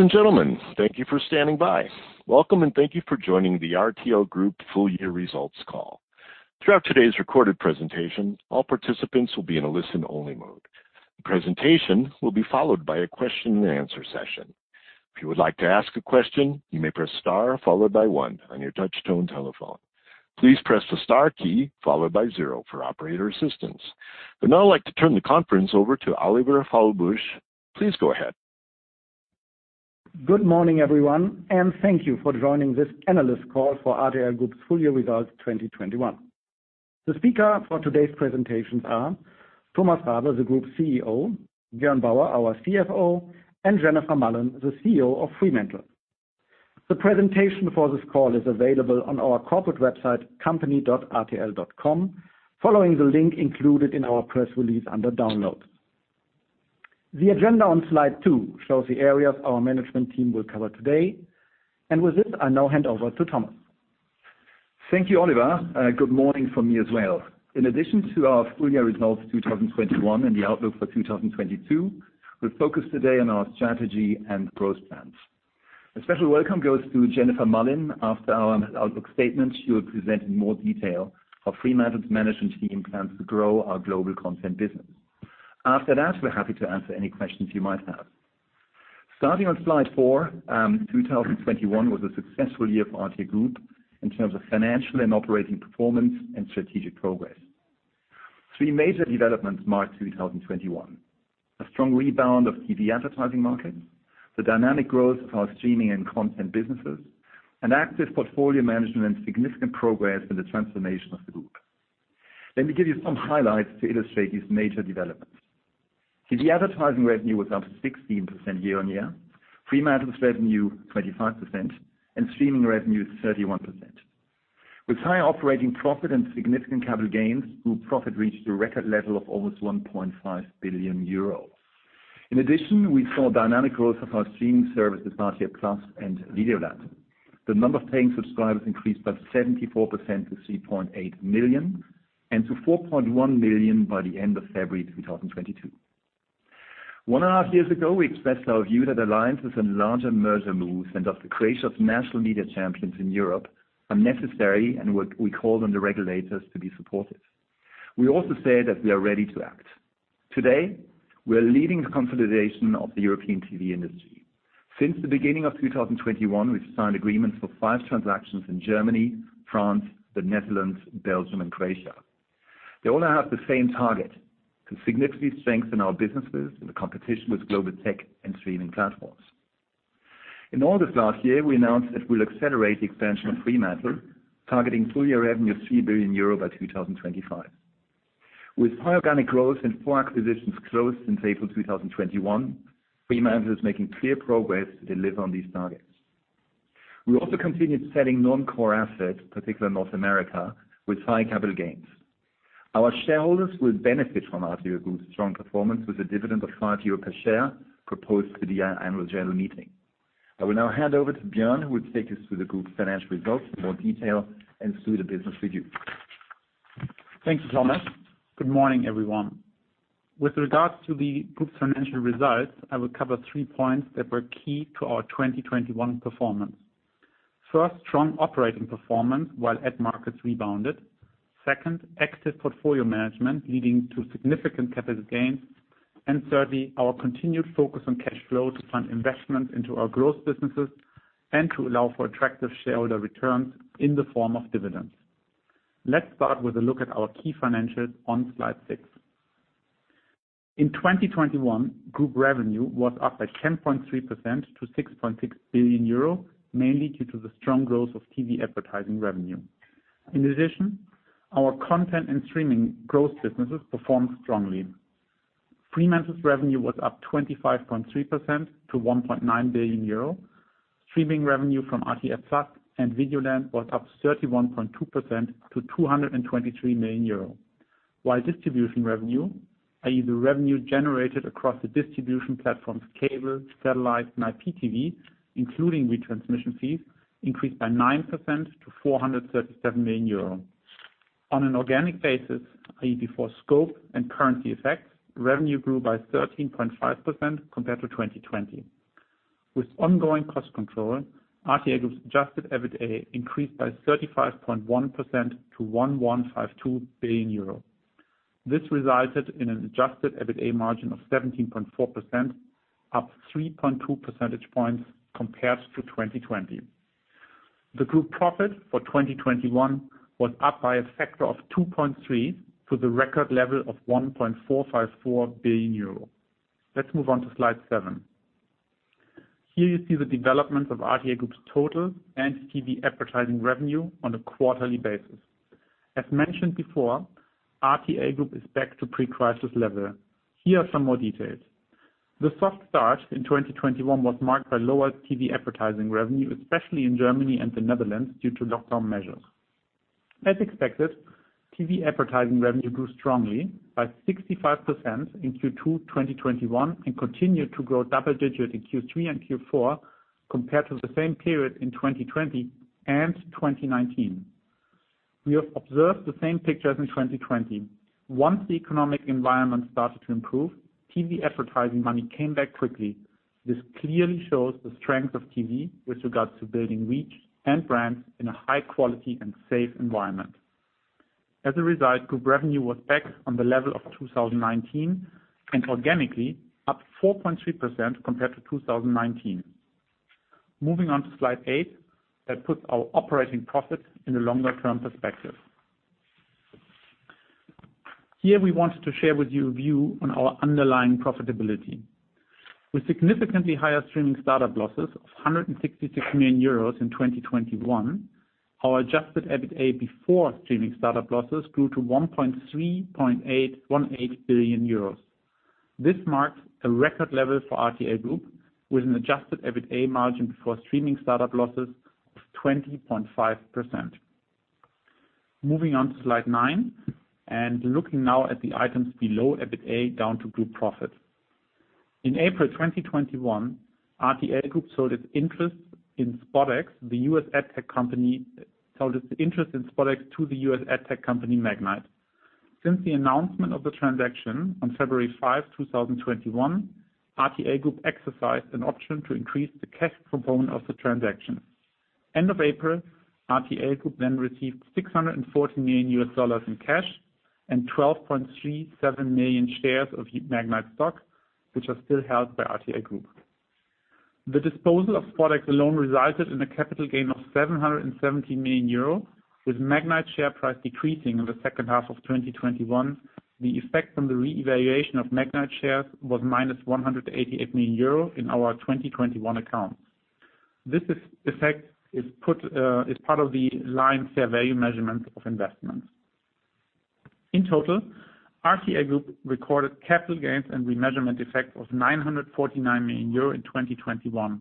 Ladies and gentlemen, thank you for standing by. Welcome, and thank you for joining the RTL Group Full Year Results Call. Throughout today's recorded presentation, all participants will be in a listen-only mode. The presentation will be followed by a question and answer session. If you would like to ask a question, you may press star followed by one on your touch-tone telephone. Please press the star key followed by zero for operator assistance. Now I'd like to turn the conference over to Oliver Fahlbusch. Please go ahead. Good morning, everyone, and thank you for joining this analyst call for RTL Group's Full Year Results 2021. The speakers for today's presentations are Thomas Rabe, the Group CEO, Björn Bauer, our CFO, and Jennifer Mullin, the CEO of Fremantle. The presentation for this call is available on our corporate website, rtl.com, following the link included in our press release under Download. The agenda on slide shows the areas our management team will cover today. With this, I now hand over to Thomas. Thank you, Oliver. Good morning from me as well. In addition to our full year results 2021 and the outlook for 2022, we're focused today on our strategy and growth plans. A special welcome goes to Jennifer Mullin. After our outlook statement, she will present in more detail how Fremantle's management team plans to grow our global content business. After that, we're happy to answer any questions you might have. Starting on slide four, 2021 was a successful year for RTL Group in terms of financial and operating performance and strategic progress. Three major developments marked 2021. A strong rebound of TV advertising markets, the dynamic growth of our streaming and content businesses, and active portfolio management and significant progress in the transformation of the group. Let me give you some highlights to illustrate these major developments. See, the advertising revenue was up 16% year-over-year, Fremantle's revenue 25%, and streaming revenue 31%. With higher operating profit and significant capital gains, group profit reached a record level of almost 1.5 billion euro. In addition, we saw dynamic growth of our streaming services, RTL+ and Videoland. The number of paying subscribers increased by 74% to 3.8 million, and to 4.1 million by the end of February 2022. One and a half years ago, we expressed our view that alliances and larger merger moves and of the creation of national media champions in Europe are necessary, and we call on the regulators to be supportive. We also said that we are ready to act. Today, we are leading the consolidation of the European TV industry. Since the beginning of 2021, we've signed agreements for five transactions in Germany, France, the Netherlands, Belgium, and Croatia. They all have the same target, to significantly strengthen our businesses in the competition with global tech and streaming platforms. In August last year, we announced that we'll accelerate the expansion of Fremantle, targeting full-year revenue of 3 billion euro by 2025. With high organic growth and four acquisitions closed since April 2021, Fremantle is making clear progress to deliver on these targets. We also continued selling non-core assets, particularly North America, with high capital gains. Our shareholders will benefit from RTL Group's strong performance with a dividend of 5 euro per share proposed to the Annual General Meeting. I will now hand over to Björn, who will take us through the Group's financial results in more detail and through the business review. Thank you, Thomas. Good morning, everyone. With regards to the Group's financial results, I will cover three points that were key to our 2021 performance. First, strong operating performance while ad markets rebounded. Second, active portfolio management leading to significant capital gains. Thirdly, our continued focus on cash flow to fund investments into our growth businesses and to allow for attractive shareholder returns in the form of dividends. Let's start with a look at our key financials on slide six. In 2021, Group revenue was up by 10.3% to 6.6 billion euro, mainly due to the strong growth of TV advertising revenue. In addition, our content and streaming growth businesses performed strongly. Fremantle's revenue was up 25.3% to 1.9 billion euro. Streaming revenue from RTLSA and Videoland was up 31.2% to 223 million euro. While distribution revenue, i.e., the revenue generated across the distribution platforms cable, satellite, and IPTV, including retransmission fees, increased by 9% to 437 million euro. On an organic basis, i.e., before scope and currency effects, revenue grew by 13.5% compared to 2020. With ongoing cost control, RTL Group's Adjusted EBITDA increased by 35.1% to 1.152 billion euro. This resulted in an Adjusted EBITDA margin of 17.4%, up 3.2 percentage points compared to 2020. The group profit for 2021 was up by a factor of 2.3 to the record level of 1.454 billion euro. Let's move on to slide seven. Here you see the development of RTL Group's total and TV advertising revenue on a quarterly basis. As mentioned before, RTL Group is back to pre-crisis level. Here are some more details. The soft start in 2021 was marked by lower TV advertising revenue, especially in Germany and the Netherlands, due to lockdown measures. As expected, TV advertising revenue grew strongly by 65% in Q2 2021 and continued to grow double-digit in Q3 and Q4 compared to the same period in 2020 and 2019. We have observed the same picture as in 2020. Once the economic environment started to improve, TV advertising money came back quickly. This clearly shows the strength of TV with regards to building reach and brands in a high quality and safe environment. As a result, group revenue was back on the level of 2019, and organically up 4.3% compared to 2019. Moving on to slide 8, that puts our operating profit in a longer-term perspective. Here we wanted to share with you a view on our underlying profitability. With significantly higher streaming startup losses of 166 million euros in 2021, our Adjusted EBITA before streaming startup losses grew to 1.3818 billion euros. This marks a record level for RTL Group, with an Adjusted EBITA margin before streaming startup losses of 20.5%. Moving on to slide nine, looking now at the items below EBITA, down to group profit. In April 2021, RTL Group sold its interest in SpotX to the U.S. ad tech company, Magnite. Since the announcement of the transaction on February 5, 2021, RTL Group exercised an option to increase the cash component of the transaction. At the end of April, RTL Group then received $640 million in cash and 12.37 million shares of Magnite stock, which are still held by RTL Group. The disposal of SpotX alone resulted in a capital gain of 770 million euro. With Magnite share price decreasing in the second half of 2021, the effect on the revaluation of Magnite shares was -188 million euro in our 2021 accounts. The remeasurement effect is put as part of the line item fair value measurement of investments. In total, RTL Group recorded capital gains and remeasurement effect of 949 million euro in 2021.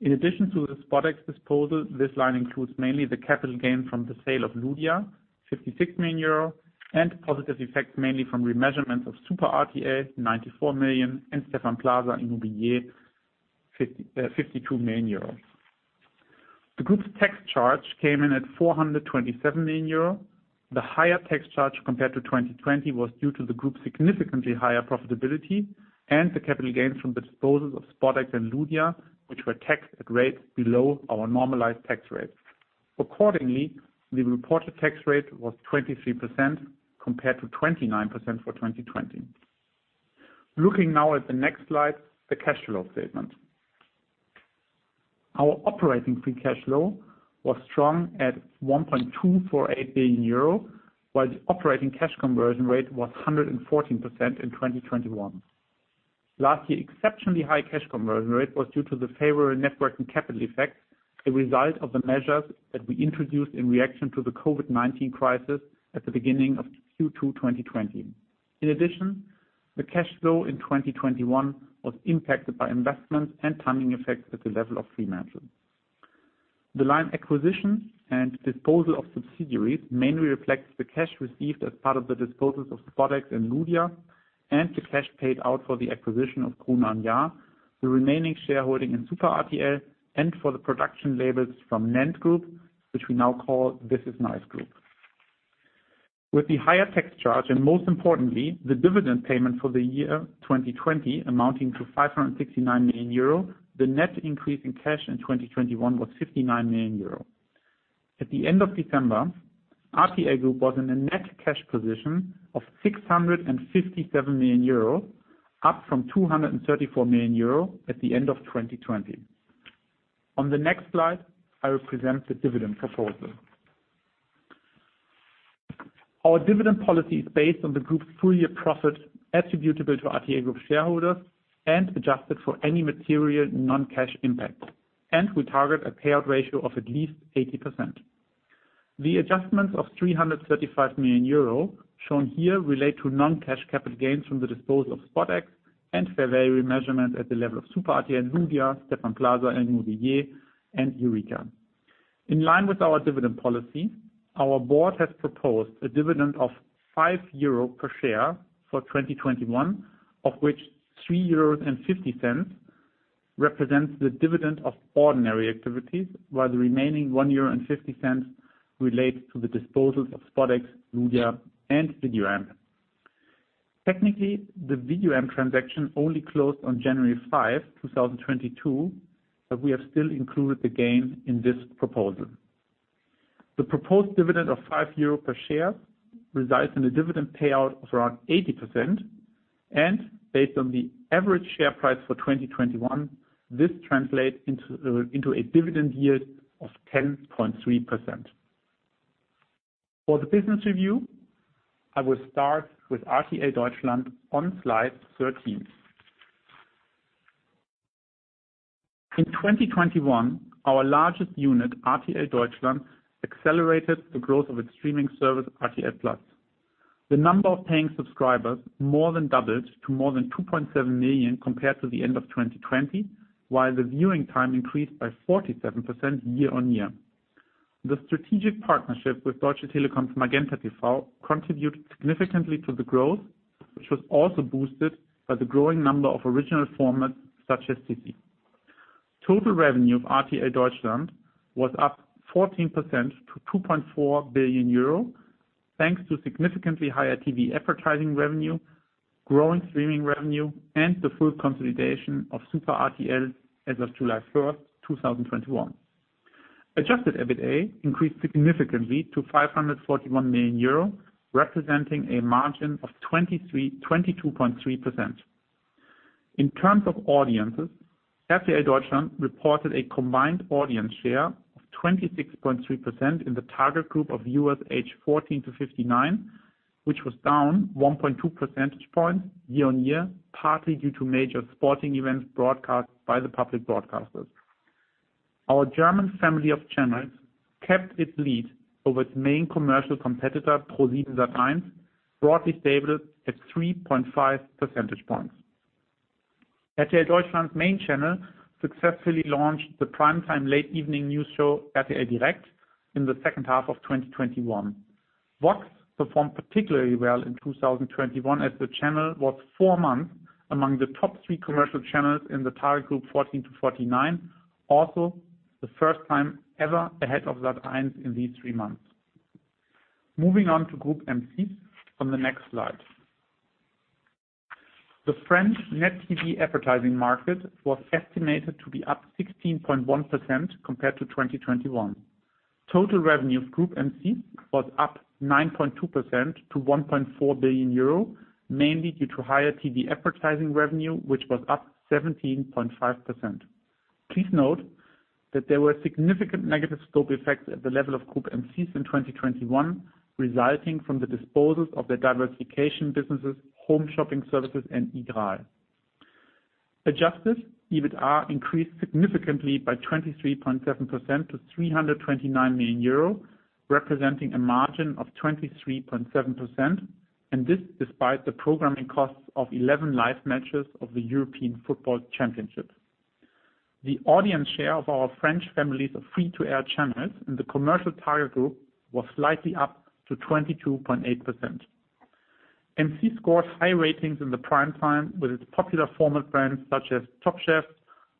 In addition to the SpotX disposal, this line includes mainly the capital gain from the sale of Ludia, 56 million euro, and positive effects mainly from remeasurements of Super RTL, 94 million, and Stéphane Plaza and Nouvelles Écritures, 52 million euro. The Group's tax charge came in at 427 million euro. The higher tax charge compared to 2020 was due to the Group's significantly higher profitability and the capital gains from the disposals of SpotX and Ludia, which were taxed at rates below our normalized tax rate. Accordingly, the reported tax rate was 23%, compared to 29% for 2020. Looking now at the next slide, the cash flow statement. Our operating free cash flow was strong at 1.248 billion euro, while the operating cash conversion rate was 114% in 2021. Last year's exceptionally high cash conversion rate was due to the favorable network and capital effects, a result of the measures that we introduced in reaction to the COVID-19 crisis at the beginning of Q2, 2020. In addition, the cash flow in 2021 was impacted by investments and timing effects at the level of free management. The line acquisition and disposal of subsidiaries mainly reflects the cash received as part of the disposals of SpotX and Ludia, and the cash paid out for the acquisition of Gruner + Jahr, the remaining shareholding in Super RTL, and for the production labels from NENT Group, which we now call This is Nice Group. With the higher tax charge, and most importantly, the dividend payment for the year 2020 amounting to 569 million euro, the net increase in cash in 2021 was 59 million euro. At the end of December, RTL Group was in a net cash position of 657 million euro, up from 234 million euro at the end of 2020. On the next slide, I will present the dividend proposal. Our dividend policy is based on the group's full year profit attributable to RTL Group shareholders and adjusted for any material non-cash impact. We target a payout ratio of at least 80%. The adjustments of 335 million euro shown here relate to non-cash capital gains from the disposal of SpotX and fair value measurement at the level of Super RTL and Ludia, Stéphane Plaza Immobilier and Nouvelles Écritures, and Eureka Productions. In line with our dividend policy, our board has proposed a dividend of 5 euro per share for 2021, of which 3.50 euros represents the dividend of ordinary activities, while the remaining 1.50 euro relates to the disposals of SpotX, Ludia, and VideoAmp. Technically, the VideoAmp transaction only closed on January 5, 2022, but we have still included the gain in this proposal. The proposed dividend of 5 euro per share results in a dividend payout of around 80%. Based on the average share price for 2021, this translates into a dividend yield of 10.3%. For the business review, I will start with RTL Deutschland on slide 13. In 2021, our largest unit, RTL Deutschland, accelerated the growth of its streaming service, RTL+. The number of paying subscribers more than doubled to more than 2.7 million compared to the end of 2020, while the viewing time increased by 47% year-over-year. The strategic partnership with Deutsche Telekom's MagentaTV contributed significantly to the growth, which was also boosted by the growing number of original formats such as Sisi. Total revenue of RTL Deutschland was up 14% to 2.4 billion euro, thanks to significantly higher TV advertising revenue, growing streaming revenue and the full consolidation of Super RTL as of July 1, 2021. Adjusted EBITA increased significantly to 541 million euro, representing a margin of 22.3%. In terms of audiences, RTL Deutschland reported a combined audience share of 26.3% in the target group of viewers aged 14 to 59, which was down 1.2 percentage points year-on-year, partly due to major sporting events broadcast by the public broadcasters. Our German family of channels kept its lead over its main commercial competitor, ProSiebenSat.1, broadly stable at 3.5 percentage points. RTL Deutschland's main channel successfully launched the prime time late evening news show, RTL Direkt, in the second half of 2021. Vox performed particularly well in 2021 as the channel was for four months among the top three commercial channels in the target group 14 to 49, the first time ever ahead of Sat.1 in these three months. Moving on to Groupe M6 on the next slide. The French net TV advertising market was estimated to be up 16.1% compared to 2021. Total revenue of Groupe M6 was up 9.2% to 1.4 billion euro, mainly due to higher TV advertising revenue, which was up 17.5%. Please note that there were significant negative scope effects at the level of Groupe M6 in 2021, resulting from the disposals of their diversification businesses, home shopping services, and iGraal. Adjusted EBITA increased significantly by 23.7% to 329 million euro, representing a margin of 23.7%, and this despite the programming costs of 11 live matches of the European Football Championship. The audience share of our French families of free-to-air channels in the commercial target group was slightly up to 22.8%. M6 scored high ratings in the prime time with its popular format brands such as Top Chef,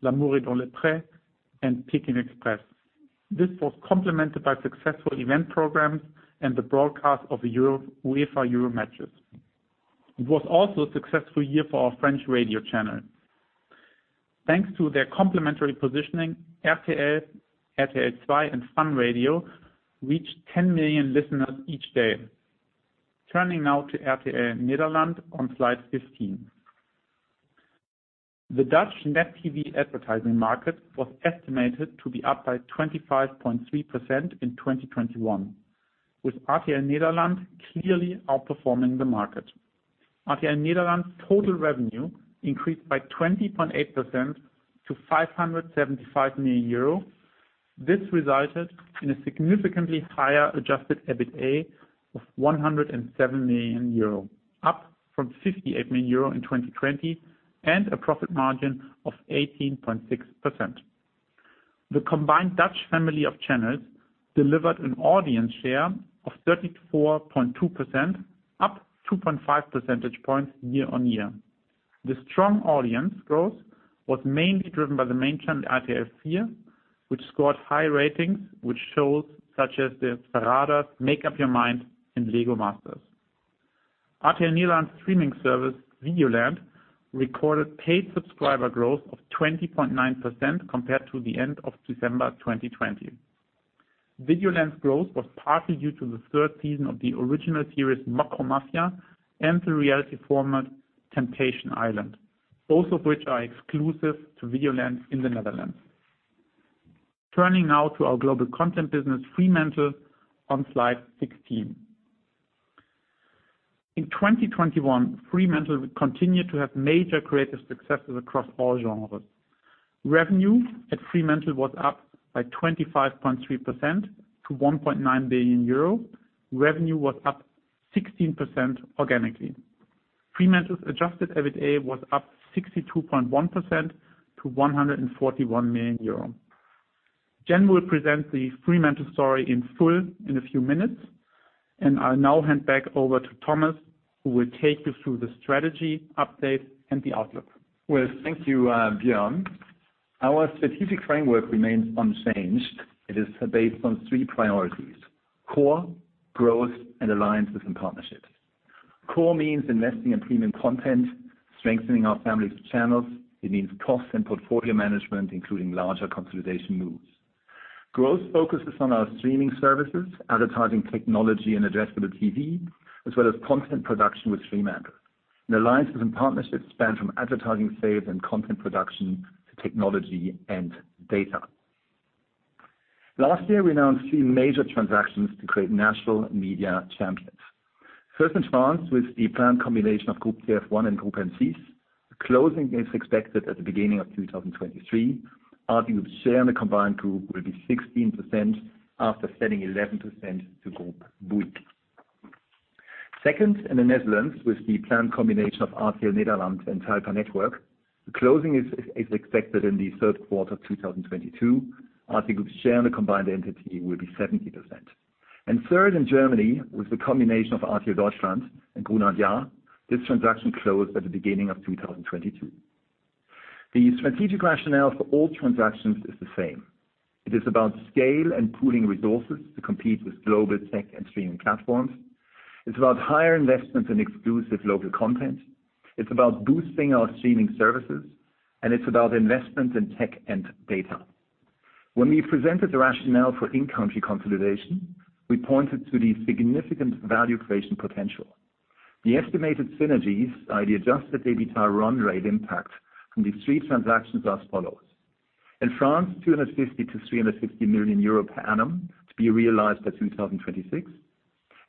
L'Amour est dans le pré, and Peking Express. This was complemented by successful event programs and the broadcast of the Euro, UEFA Euro matches. It was also a successful year for our French radio channel. Thanks to their complementary positioning, RTL, RTL II, and Fun Radio reached 10 million listeners each day. Turning now to RTL Nederland on slide 15. The Dutch net TV advertising market was estimated to be up by 25.3% in 2021, with RTL Nederland clearly outperforming the market. RTL Nederland's total revenue increased by 20.8% to 575 million euro. This resulted in a significantly higher Adjusted EBITA of 107 million euro, up from 58 million euro in 2020, and a profit margin of 18.6%. The combined Dutch family of channels delivered an audience share of 34.2%, up 2.5 percentage points year-on-year. The strong audience growth was mainly driven by the main channel, RTL 4, which scored high ratings, which shows such as De Farao's, Make Up Your Mind, and Lego Masters. RTL Nederland's streaming service, Videoland, recorded paid subscriber growth of 20.9% compared to the end of December 2020. Videoland's growth was partly due to the third season of the original series, Mocro Maffia, and the reality format, Temptation Island, both of which are exclusive to Videoland in the Netherlands. Turning now to our global content business, Fremantle, on slide 16. In 2021, Fremantle continued to have major creative successes across all genres. Revenue at Fremantle was up by 25.3% to 1.9 billion euro. Revenue was up 16% organically. Fremantle's Adjusted EBITA was up 62.1% to 141 million euro. Jen will present the Fremantle story in full in a few minutes, and I'll now hand back over to Thomas, who will take you through the strategy update and the outlook. Well, thank you, Björn. Our strategic framework remains unchanged. It is based on three priorities. Core, growth, and alliances and partnerships. Core means investing in premium content, strengthening our family's channels. It means cost and portfolio management, including larger consolidation moves. Growth focuses on our streaming services, advertising technology, and addressable TV, as well as content production with Fremantle. Alliances and partnerships span from advertising sales and content production to technology and data. Last year, we announced three major transactions to create national media champions. First, in France, with the planned combination of Groupe TF1 and Groupe M6. The closing is expected at the beginning of 2023. RTL Group's share in the combined group will be 16% after selling 11% to Groupe Bouygues. Second, in the Netherlands, with the planned combination of RTL Nederland and Talpa Network. The closing is expected in the third quarter of 2022. RTL Group's share in the combined entity will be 70%. Third, in Germany, with the combination of RTL Deutschland and Gruner + Jahr. This transaction closed at the beginning of 2022. The strategic rationale for all transactions is the same. It is about scale and pooling resources to compete with global tech and streaming platforms. It's about higher investments in exclusive local content. It's about boosting our streaming services, and it's about investment in tech and data. When we presented the rationale for in-country consolidation, we pointed to the significant value creation potential. The estimated synergies by the Adjusted EBITDA run rate impact from these three transactions as follows. In France, 250 million-350 million euro per annum to be realized by 2026.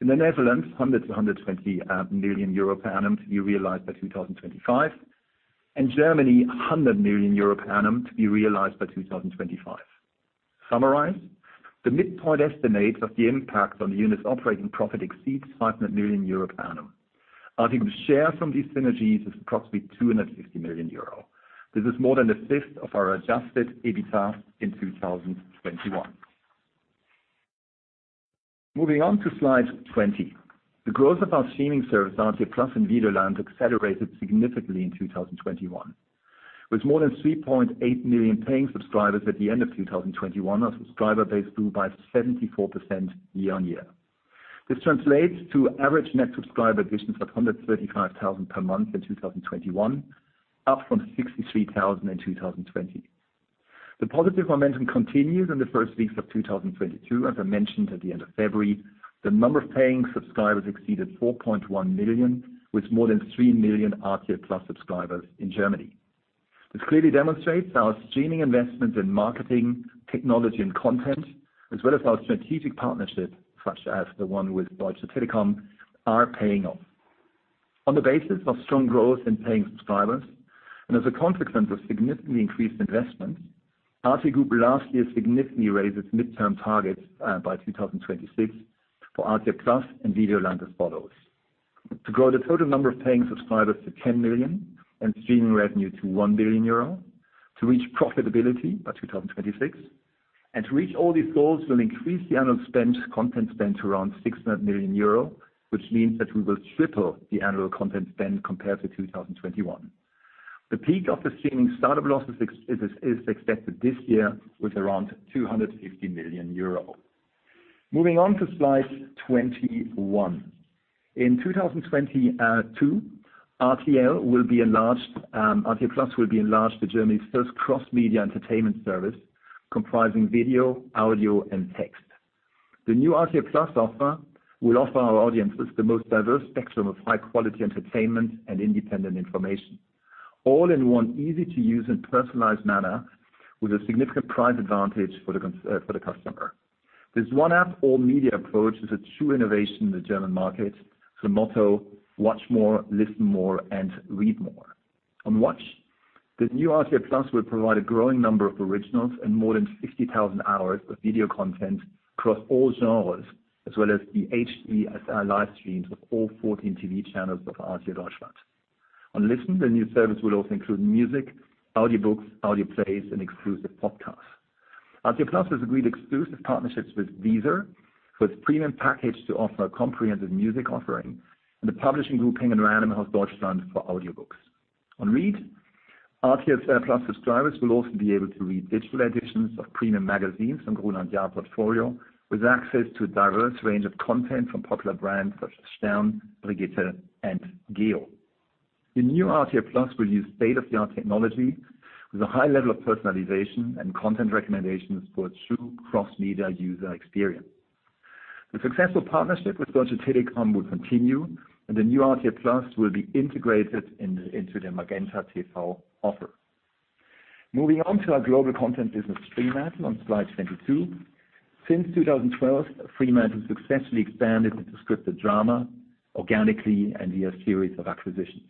In the Netherlands, 100 million-120 million euro per annum to be realized by 2025. In Germany, 100 million euro per annum to be realized by 2025. Summarized, the midpoint estimate of the impact on the unit's operating profit exceeds 500 million euros per annum. RTL's share from these synergies is approximately 250 million euros. This is more than a fifth of our Adjusted EBITDA in 2021. Moving on to slide 20. The growth of our streaming service, RTL+ and Videoland, accelerated significantly in 2021. With more than 3.8 million paying subscribers at the end of 2021, our subscriber base grew by 74% year-over-year. This translates to average net subscriber additions of 135,000 per month in 2021, up from 63,000 in 2020. The positive momentum continued in the first weeks of 2022. As I mentioned, at the end of February, the number of paying subscribers exceeded 4.1 million, with more than 3 million RTL+ subscribers in Germany. This clearly demonstrates our streaming investments in marketing, technology, and content, as well as our strategic partnerships, such as the one with Deutsche Telekom, are paying off. On the basis of strong growth in paying subscribers and as a consequence of significantly increased investment, RTL Group last year significantly raised its midterm targets by 2026 for RTL+ and Videoland as follows: To grow the total number of paying subscribers to 10 million and streaming revenue to 1 billion euro, to reach profitability by 2026, and to reach all these goals will increase the annual spend, content spend to around 600 million euro, which means that we will triple the annual content spend compared to 2021. The peak of the streaming start-up losses is expected this year with around 250 million euro. Moving on to slide 21. In 2022, RTL+ will be enlarged to Germany's first cross-media entertainment service comprising video, audio, and text. The new RTL+ offer will offer our audiences the most diverse spectrum of high-quality entertainment and independent information, all in one easy-to-use and personalized manner with a significant price advantage for the customer. This one app, all media approach is a true innovation in the German market, with the motto 'Watch more, listen more, and read more.' On watch, the new RTL+ will provide a growing number of originals and more than 60,000 hours of video content across all genres, as well as the HD/SD live streams of all 14 TV channels of RTL Deutschland. On listen, the new service will also include music, audiobooks, audio plays, and exclusive podcasts. RTL+ has agreed exclusive partnerships with Deezer for its premium package to offer a comprehensive music offering, and the publishing group Penguin Random House Verlagsgruppe for audiobooks. RTL+ subscribers will also be able to read digital editions of premium magazines from Gruner + Jahr portfolio, with access to a diverse range of content from popular brands such as Stern, Brigitte, and Geo. The new RTL+ will use state-of-the-art technology with a high level of personalization and content recommendations for true cross-media user experience. The successful partnership with Deutsche Telekom will continue, and the new RTL+ will be integrated into their MagentaTV offer. Moving on to our global content business, Fremantle, on slide 22. Since 2012, Fremantle successfully expanded into scripted drama organically and via a series of acquisitions.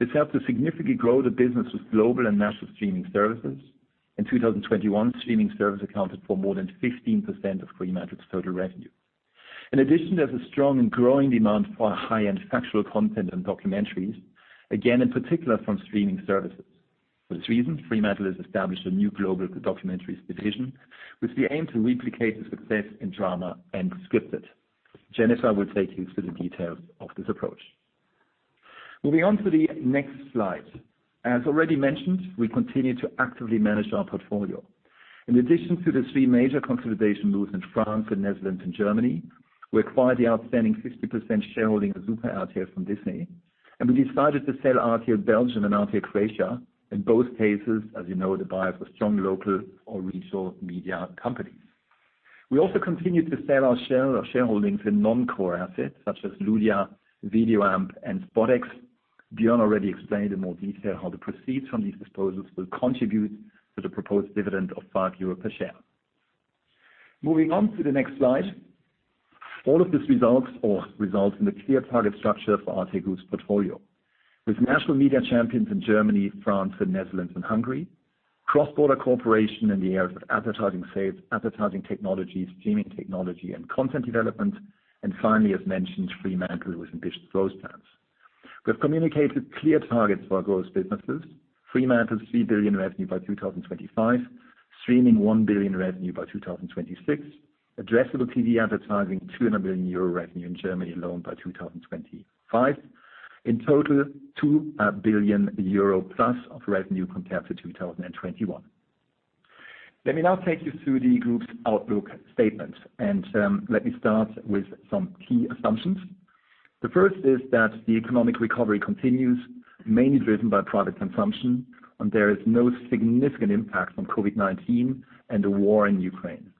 This helped to significantly grow the business with global and national streaming services. In 2021, streaming service accounted for more than 15% of Fremantle's total revenue. In addition, there's a strong and growing demand for high-end factual content and documentaries, again, in particular from streaming services. For this reason, Fremantle has established a new global documentaries division, with the aim to replicate the success in drama and scripted. Jennifer will take you through the details of this approach. Moving on to the next slide. As already mentioned, we continue to actively manage our portfolio. In addition to the three major consolidation moves in France, the Netherlands, and Germany, we acquired the outstanding 60% shareholding of Super RTL from Disney, and we decided to sell RTL Belgium and RTL Croatia. In both cases, as you know, the buyers were strong local or regional media companies. We also continued to sell our share or shareholdings in non-core assets such as Ludia, VideoAmp, and SpotX. Björn already explained in more detail how the proceeds from these disposals will contribute to the proposed dividend of 5 euro per share. Moving on to the next slide. All of this results in a clear target structure for RTL Group's portfolio. With national media champions in Germany, France, the Netherlands, and Hungary, cross-border cooperation in the areas of advertising sales, advertising technologies, streaming technology, and content development, and finally, as mentioned, Fremantle with ambitious growth plans. We've communicated clear targets for our growth businesses. Fremantle, 3 billion revenue by 2025. Streaming, 1 billion revenue by 2026. Addressable TV advertising, 200 million euro revenue in Germany alone by 2025. In total, 2 billion euro plus of revenue compared to 2021. Let me now take you through the group's outlook statement, and let me start with some key assumptions. The first is that the economic recovery continues, mainly driven by private consumption, and there is no significant impact from COVID-19 and the war in Ukraine.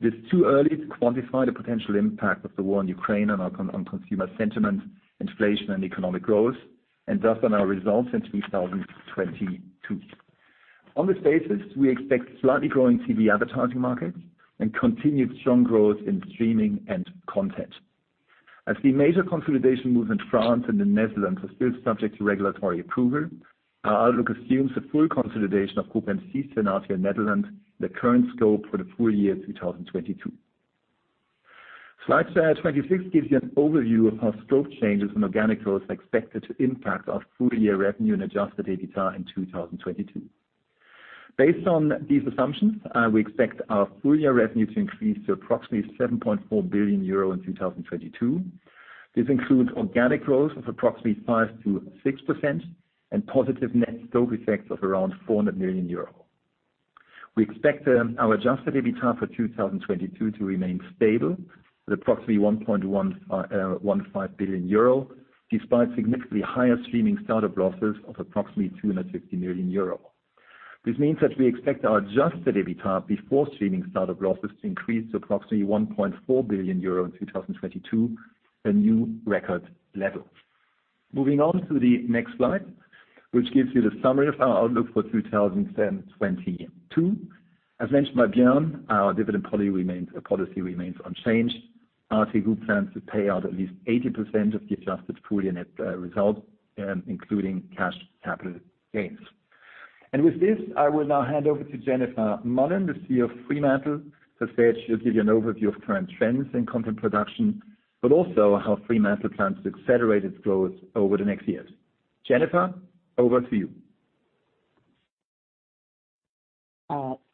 It is too early to quantify the potential impact of the war in Ukraine on our consumer sentiment, inflation and economic growth, and thus on our results in 2022. On this basis, we expect slightly growing TV advertising markets and continued strong growth in streaming and content. As the major consolidation move in France and the Netherlands are still subject to regulatory approval, our outlook assumes the full consolidation of Groupe M6 and RTL Nederland in the current scope for the full year 2022. Slide 26 gives you an overview of how scope changes from organic growth are expected to impact our full year revenue and Adjusted EBITDA in 2022. Based on these assumptions, we expect our full year revenue to increase to approximately 7.4 billion euro in 2022. This includes organic growth of approximately 5%-6% and positive net scope effects of around 400 million euros. We expect our Adjusted EBITDA for 2022 to remain stable at approximately 1.15 billion euro, despite significantly higher streaming startup losses of approximately 250 million euro. This means that we expect our Adjusted EBITDA before streaming startup losses to increase to approximately 1.4 billion euro in 2022, a new record level. Moving on to the next slide, which gives you the summary of our outlook for 2022. As mentioned by Björn, our dividend policy remains unchanged. RTL Group plans to pay out at least 80% of the adjusted full-year net result, including cash capital gains. With this, I will now hand over to Jennifer Mullin, the CEO of Fremantle. She'll give you an overview of current trends in content production, but also how Fremantle plans to accelerate its growth over the next years. Jennifer, over to you.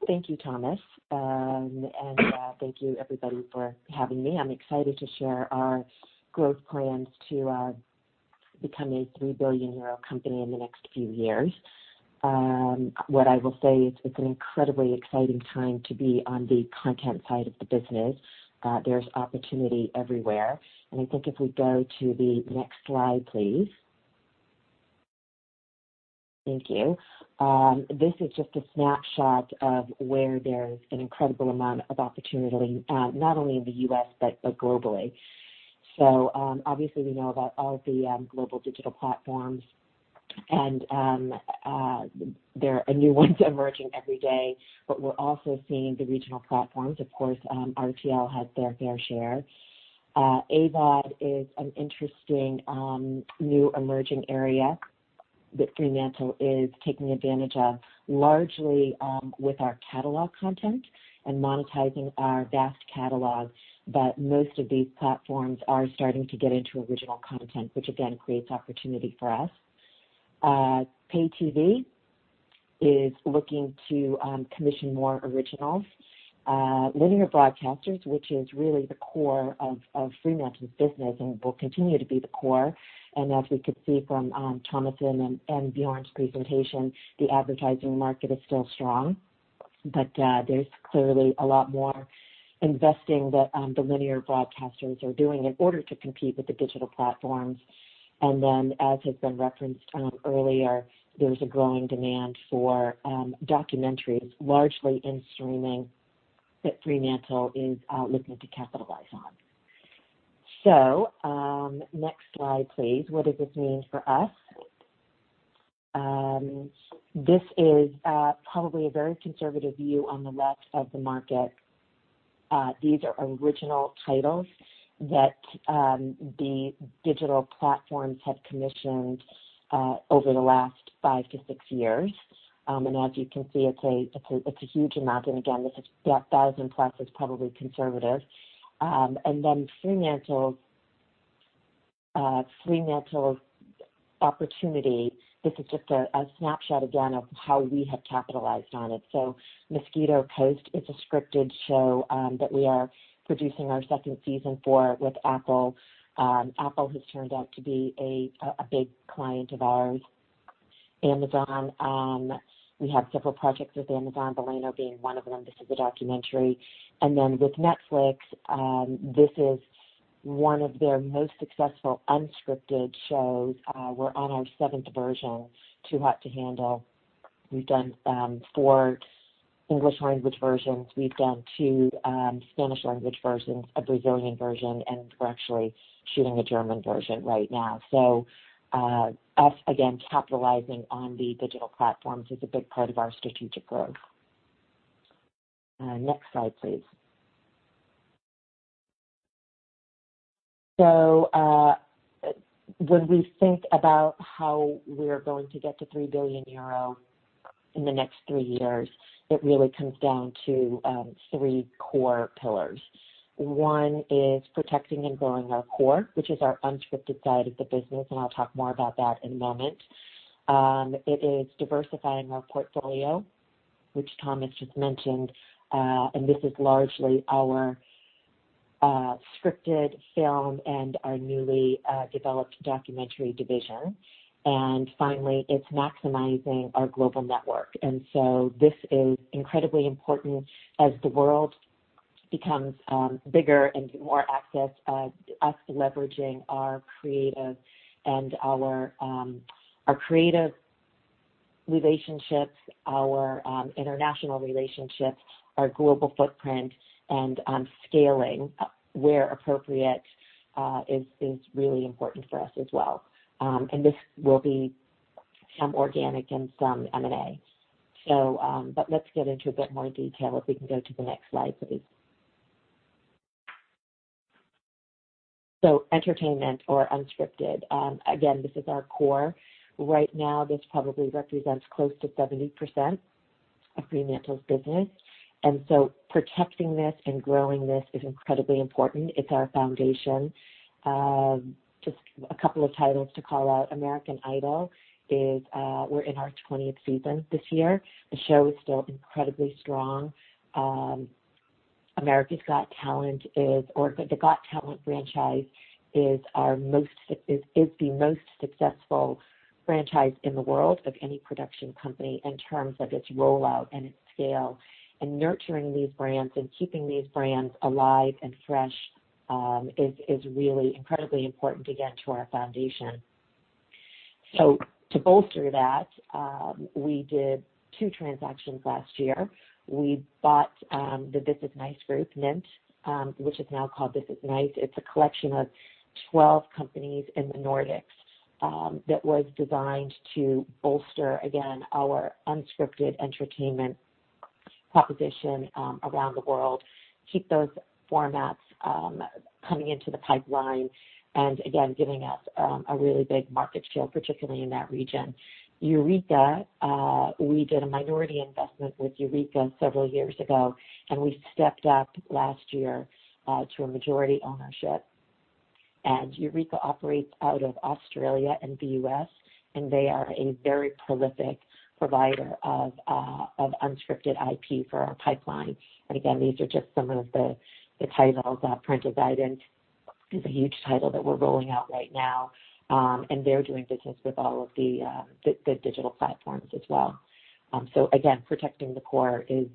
Thank you, Thomas, and thank you everybody for having me. I'm excited to share our growth plans to become a 3 billion euro company in the next few years. What I will say is it's an incredibly exciting time to be on the content side of the business. There's opportunity everywhere. I think if we go to the next slide, please. Thank you. This is just a snapshot of where there's an incredible amount of opportunity, not only in the U.S., but globally. Obviously we know about all the global digital platforms and there are new ones emerging every day. But we're also seeing the regional platforms. Of course, RTL has their fair share. AVOD is an interesting new emerging area that Fremantle is taking advantage of, largely, with our catalog content and monetizing our vast catalog. Most of these platforms are starting to get into original content, which again creates opportunity for us. Pay TV is looking to commission more originals. Linear broadcasters, which is really the core of Fremantle's business and will continue to be the core. As we could see from Thomas and Björn's presentation, the advertising market is still strong. There's clearly a lot more investing that the linear broadcasters are doing in order to compete with the digital platforms. As has been referenced earlier, there's a growing demand for documentaries, largely in streaming, that Fremantle is looking to capitalize on. Next slide, please. What does this mean for us? This is probably a very conservative view on the left of the market. These are original titles that the digital platforms have commissioned over the last five to six years. As you can see, it's a huge amount. Again, that 1,000 plus is probably conservative. Then Fremantle's opportunity. This is just a snapshot again of how we have capitalized on it. Mosquito Coast is a scripted show that we are producing our second season for with Apple. Apple has turned out to be a big client of ours. Amazon, we have several projects with Amazon, Veleno being one of them. This is a documentary. With Netflix, this is one of their most successful unscripted shows. We're on our seventh version, Too Hot to Handle. We've done four English language versions. We've done two Spanish language versions, a Brazilian version, and we're actually shooting a German version right now. Us again capitalizing on the digital platforms is a big part of our strategic growth. Next slide, please. When we think about how we're going to get to 3 billion euro in the next three years, it really comes down to three core pillars. One is protecting and growing our core, which is our unscripted side of the business, and I'll talk more about that in a moment. It is diversifying our portfolio, which Thomas just mentioned, and this is largely our scripted film and our newly developed documentary division. Finally, it's maximizing our global network. This is incredibly important as the world becomes bigger and more access, us leveraging our creative relationships, our international relationships, our global footprint and scaling where appropriate is really important for us as well. This will be some organic and some M&A. Let's get into a bit more detail if we can go to the next slide, please. Entertainment or unscripted. Again, this is our core. Right now, this probably represents close to 70% of Fremantle's business, protecting this and growing this is incredibly important. It's our foundation. Just a couple of titles to call out. American Idol is. We're in our 20th season this year. The show is still incredibly strong. America's Got Talent or the Got Talent franchise is our most successful franchise in the world of any production company in terms of its rollout and its scale. Nurturing these brands and keeping these brands alive and fresh is really incredibly important, again, to our foundation. To bolster that, we did two transactions last year. We bought the This is Nice Group, NENT, which is now called This is Nice. It's a collection of 12 companies in the Nordics that was designed to bolster, again, our unscripted entertainment proposition around the world, keep those formats coming into the pipeline, and again, giving us a really big market share, particularly in that region. Eureka, we did a minority investment with Eureka several years ago, and we stepped up last year to a majority ownership. Eureka operates out of Australia and the U.S., and they are a very prolific provider of unscripted IP for our pipeline. These are just some of the titles. Printer's Devil is a huge title that we're rolling out right now. They're doing business with all of the digital platforms as well. Protecting the core is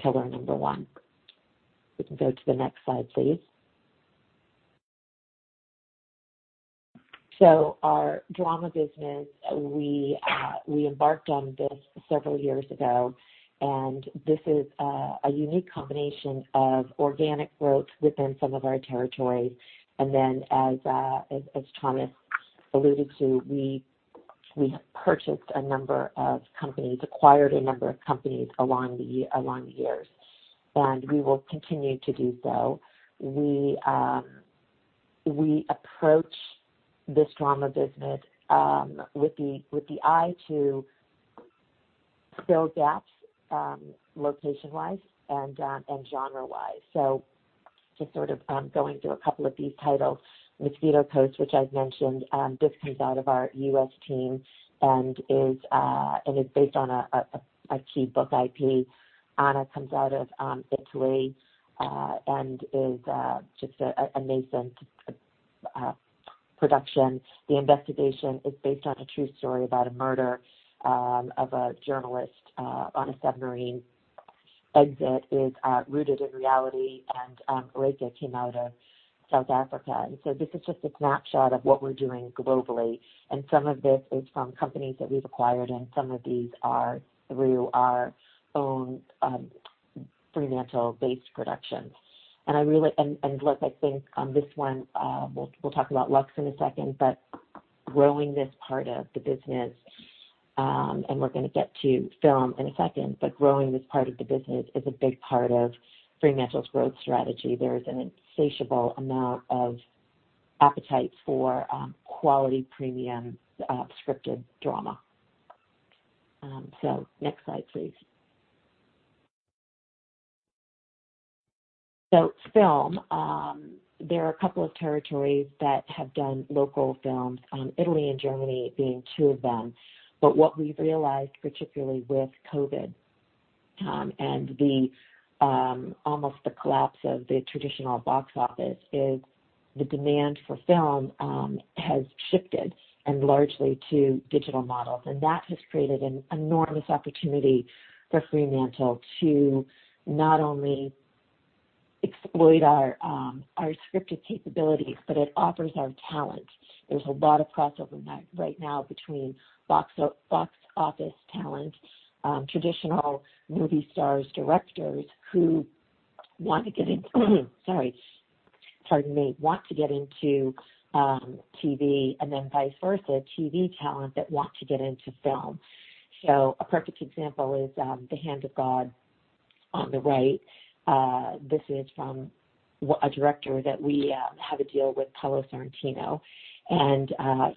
pillar number one. We can go to the next slide, please. Our drama business, we embarked on this several years ago, and this is a unique combination of organic growth within some of our territories. As Thomas alluded to, we have purchased a number of companies, acquired a number of companies along the years, and we will continue to do so. We approach this drama business with the eye to fill gaps location-wise and genre-wise. Just sort of going through a couple of these titles. The Mosquito Coast, which I've mentioned, this comes out of our U.S. team and is based on a key book IP. Anna comes out of Italy and is just an amazing production. The Investigation is based on a true story about a murder of a journalist on a submarine. Exit is rooted in reality, and Eureka came out of South Africa. This is just a snapshot of what we're doing globally. Some of this is from companies that we've acquired, and some of these are through our own Fremantle-based productions. I think on this one, we'll talk about Lux in a second. Growing this part of the business, and we're gonna get to film in a second, is a big part of Fremantle's growth strategy. There is an insatiable amount of appetite for quality premium scripted drama. Next slide, please. Film, there are a couple of territories that have done local films, Italy and Germany being two of them. What we've realized, particularly with COVID-19, and the almost collapse of the traditional box office, is the demand for film has shifted and largely to digital models. That has created an enormous opportunity for Fremantle to not only exploit our scripted capabilities, but it offers our talent. There's a lot of crossover now right now between box office talent, traditional movie stars, directors who want to get into TV and then vice versa, TV talent that want to get into film. A perfect example is The Hand of God on the right. This is from a director that we have a deal with, Paolo Sorrentino.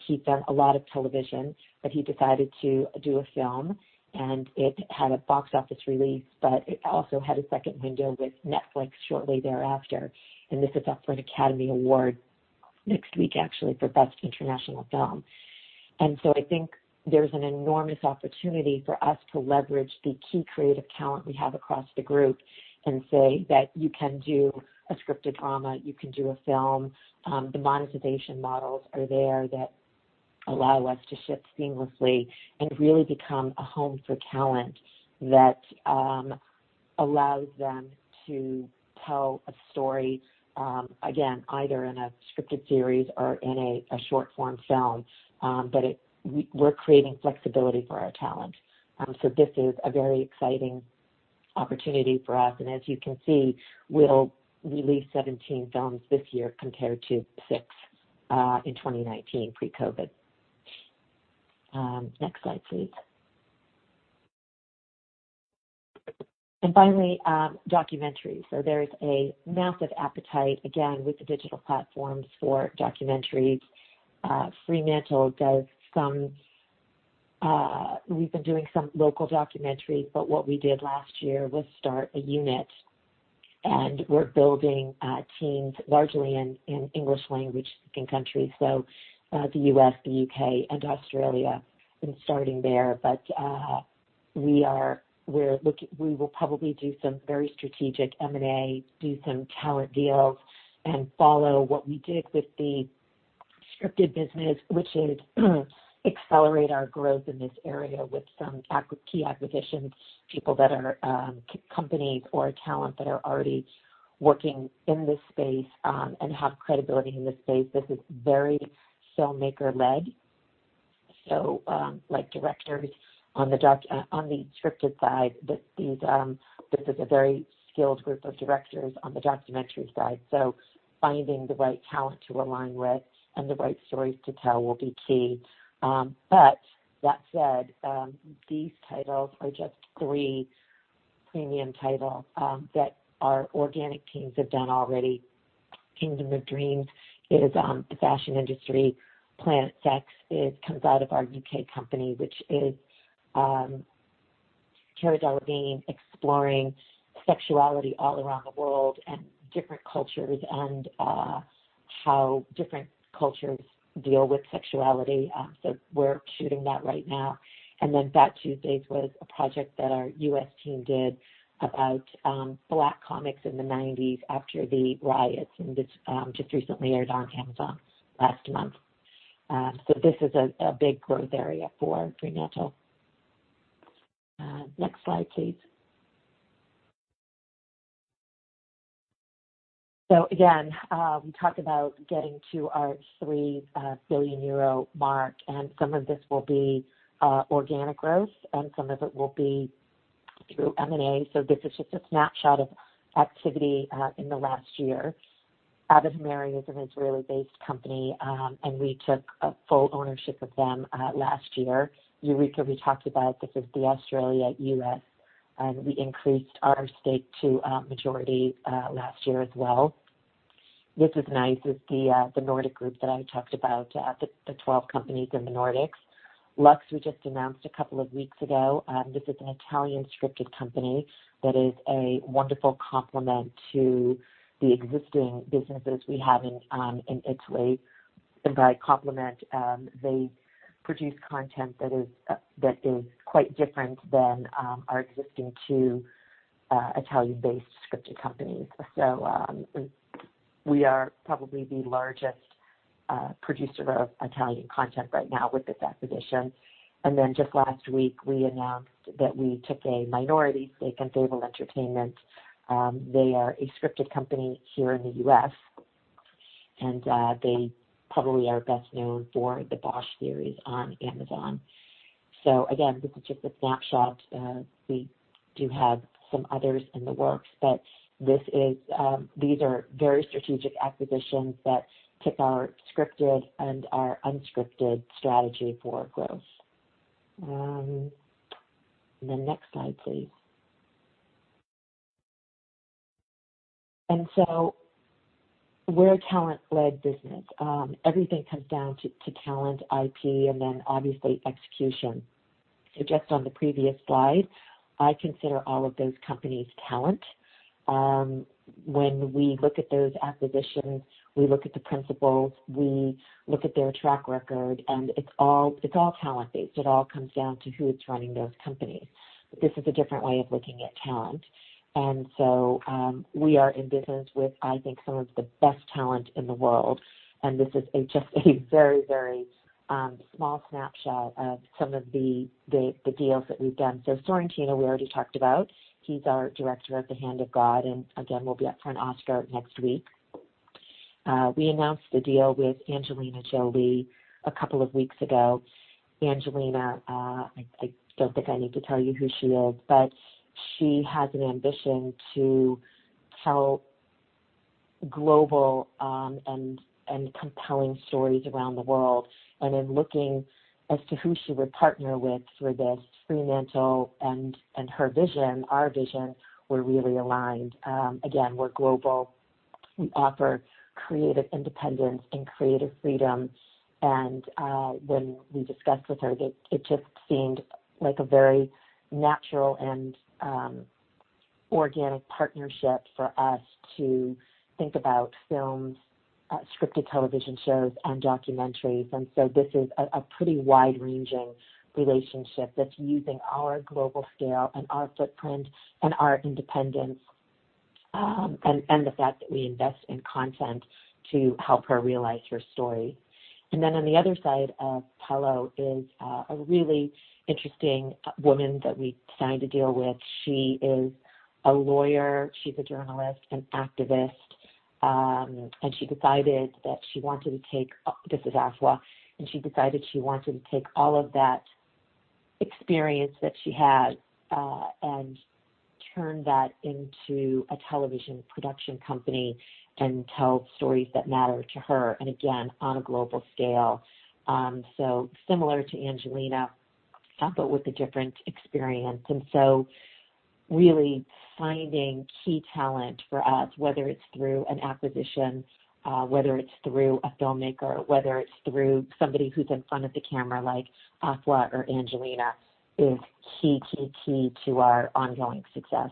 He'd done a lot of television, but he decided to do a film, and it had a box office release, but it also had a second window with Netflix shortly thereafter. This is up for an Academy Award next week actually for Best International Film. I think there's an enormous opportunity for us to leverage the key creative talent we have across the group and say that you can do a scripted drama, you can do a film. The monetization models are there that allow us to shift seamlessly and really become a home for talent that allows them to tell a story again, either in a scripted series or in a short form film. But we're creating flexibility for our talent. This is a very exciting opportunity for us. As you can see, we'll release 17 films this year compared to six in 2019 pre-COVID. Next slide, please. Finally, documentaries. There is a massive appetite, again, with the digital platforms for documentaries. Fremantle does some. We've been doing some local documentaries, but what we did last year was start a unit, and we're building teams largely in English language-speaking countries. The U.S., the U.K., and Australia, and starting there. We are—we're looking—we will probably do some very strategic M&A, do some talent deals, and follow what we did with the scripted business, which is accelerate our growth in this area with some key acquisitions, people that are companies or talent that are already working in this space, and have credibility in this space. This is very filmmaker-led, like directors on the scripted side. This is a very skilled group of directors on the documentaries side. Finding the right talent to align with and the right stories to tell will be key. That said, these titles are just three premium titles that our organic teams have done already. Kingdom of Dreams is the fashion industry. Planet Sex comes out of our U.K. company, which is Cara Delevingne exploring sexuality all around the world and different cultures and how different cultures deal with sexuality. We're shooting that right now. Then Phat Tuesdays was a project that our U.S. team did about Black comics in the 1990s after the riots, and it's just recently aired on Amazon last month. This is a big growth area for Fremantle. Next slide, please. Again, we talked about getting to our 3 billion euro mark, and some of this will be organic growth, and some of it will be through M&A. This is just a snapshot of activity in the last year. Abot Hameiri is an Israeli-based company, and we took full ownership of them last year. Eureka, we talked about. This is the Australian-US, and we increased our stake to majority last year as well. This is Nice. It's the Nordic group that I talked about, the 12 companies in the Nordics. Lux, we just announced a couple of weeks ago. This is an Italian scripted company that is a wonderful complement to the existing businesses we have in Italy. By complement, they produce content that is that is quite different than our existing two Italian-based scripted companies. We are probably the largest producer of Italian content right now with this acquisition. Then just last week, we announced that we took a minority stake in Fabel Entertainment. They are a scripted company here in the U.S., and they probably are best known for the Bosch series on Amazon. Again, this is just a snapshot. We do have some others in the works, but these are very strategic acquisitions that tip our scripted and our unscripted strategy for growth. Then next slide, please. We're a talent-led business. Everything comes down to talent, IP, and then obviously execution. Just on the previous slide, I consider all of those companies talent. When we look at those acquisitions, we look at the principals, we look at their track record, and it's all talent-based. It all comes down to who's running those companies. This is a different way of looking at talent. We are in business with, I think, some of the best talent in the world, and this is just a very small snapshot of some of the deals that we've done. Sorrentino we already talked about. He's our director of The Hand of God, and again, will be up for an Oscar next week. We announced the deal with Angelina Jolie a couple of weeks ago. Angelina, I don't think I need to tell you who she is, but she has an ambition to tell global and compelling stories around the world. In looking as to who she would partner with for this, Fremantle and her vision, our vision were really aligned. Again, we're global. We offer creative independence and creative freedom. When we discussed with her, it just seemed like a very natural and organic partnership for us to think about films, scripted television shows and documentaries. This is a pretty wide-ranging relationship that's using our global scale and our footprint and our independence and the fact that we invest in content to help her realize her story. Then on the other side of Paolo is a really interesting woman that we signed a deal with. She is a lawyer, she's a journalist, an activist. This is Afua. She decided she wanted to take all of that experience that she had, and turn that into a television production company and tell stories that matter to her, and again, on a global scale. Similar to Angelina, but with a different experience. Really finding key talent for us, whether it's through an acquisition, whether it's through a filmmaker, whether it's through somebody who's in front of the camera like Afua or Angelina, is key to our ongoing success.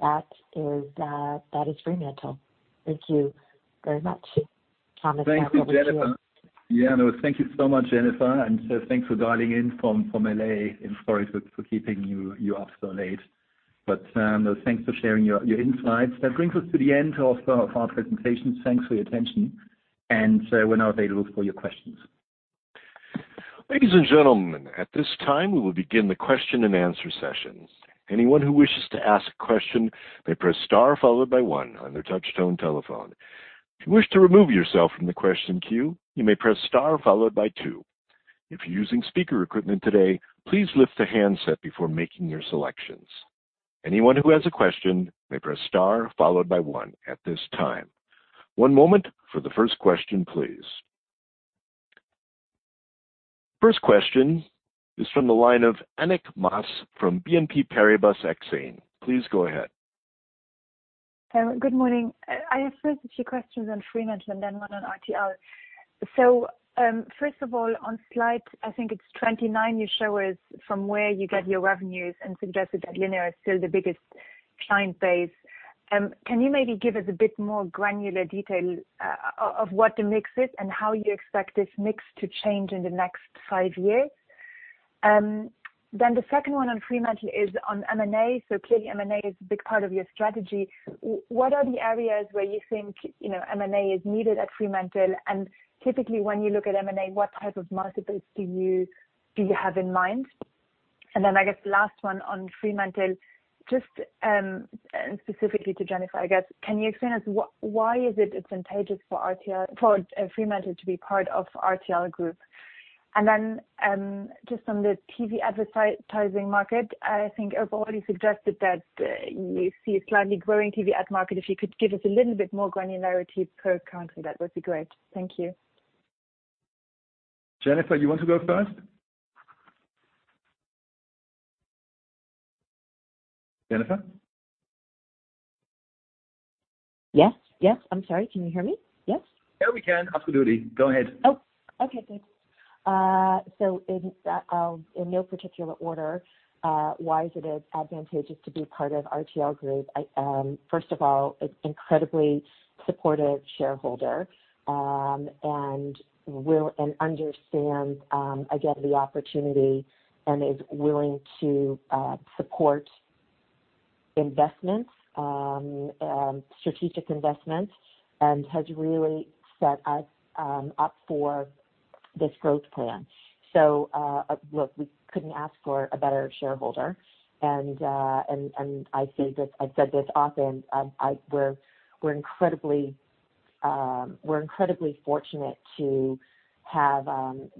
That is Fremantle. Thank you very much. Thomas, back over to you. Thank you, Jennifer. Yeah, no, thank you so much, Jennifer. Thanks for dialing in from L.A., and sorry for keeping you up so late. Thanks for sharing your insights. That brings us to the end of our presentation. Thanks for your attention, and we're now available for your questions. Ladies and gentlemen, at this time, we will begin the question-and-answer session. Anyone who wishes to ask a question may press star followed by one on their touch-tone telephone. If you wish to remove yourself from the question queue, you may press star followed by two. If you're using speaker equipment today, please lift the handset before making your selections. Anyone who has a question may press star followed by one at this time. One moment for the first question, please. First question is from the line of Annick Maas from BNP Paribas Exane. Please go ahead. Good morning. I have first a few questions on Fremantle and then one on RTL. First of all, on slide, I think it's 29, you show us from where you get your revenues and suggested that linear is still the biggest client base. Can you maybe give us a bit more granular detail of what the mix is and how you expect this mix to change in the next five years? Then the second one on Fremantle is on M&A. Clearly M&A is a big part of your strategy. What are the areas where you think, you know, M&A is needed at Fremantle? And typically, when you look at M&A, what type of multiples do you have in mind? I guess the last one on Fremantle, just, specifically to Jennifer, I guess, can you explain to us why is it advantageous for Fremantle to be part of RTL Group? Just on the TV advertising market, I think you've already suggested that, you see a slightly growing TV ad market. If you could give us a little bit more granularity per country, that would be great. Thank you. Jennifer, you want to go first? Jennifer? Yes. Yes. I'm sorry. Can you hear me? Yes. Yeah, we can. Absolutely. Go ahead. Oh, okay. Thanks. In no particular order, why is it advantageous to be part of RTL Group? First of all, it's incredibly supportive shareholder, and understands, again, the opportunity and is willing to support investments, strategic investments, and has really set us up for this growth plan. Look, we couldn't ask for a better shareholder. I say this, I've said this often, we're incredibly fortunate to have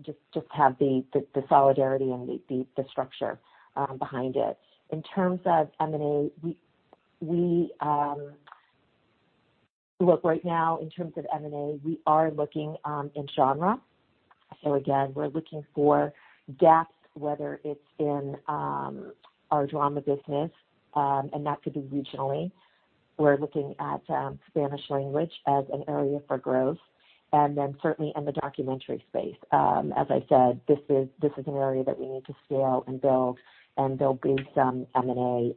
just have the solidarity and the structure behind it. In terms of M&A, we are looking in genre. Look, right now, in terms of M&A, we are looking in genre. We're looking for gaps, whether it's in our drama business, and that could be regionally. We're looking at Spanish language as an area for growth, and then certainly in the documentary space. As I said, this is an area that we need to scale and build, and there'll be some M&A.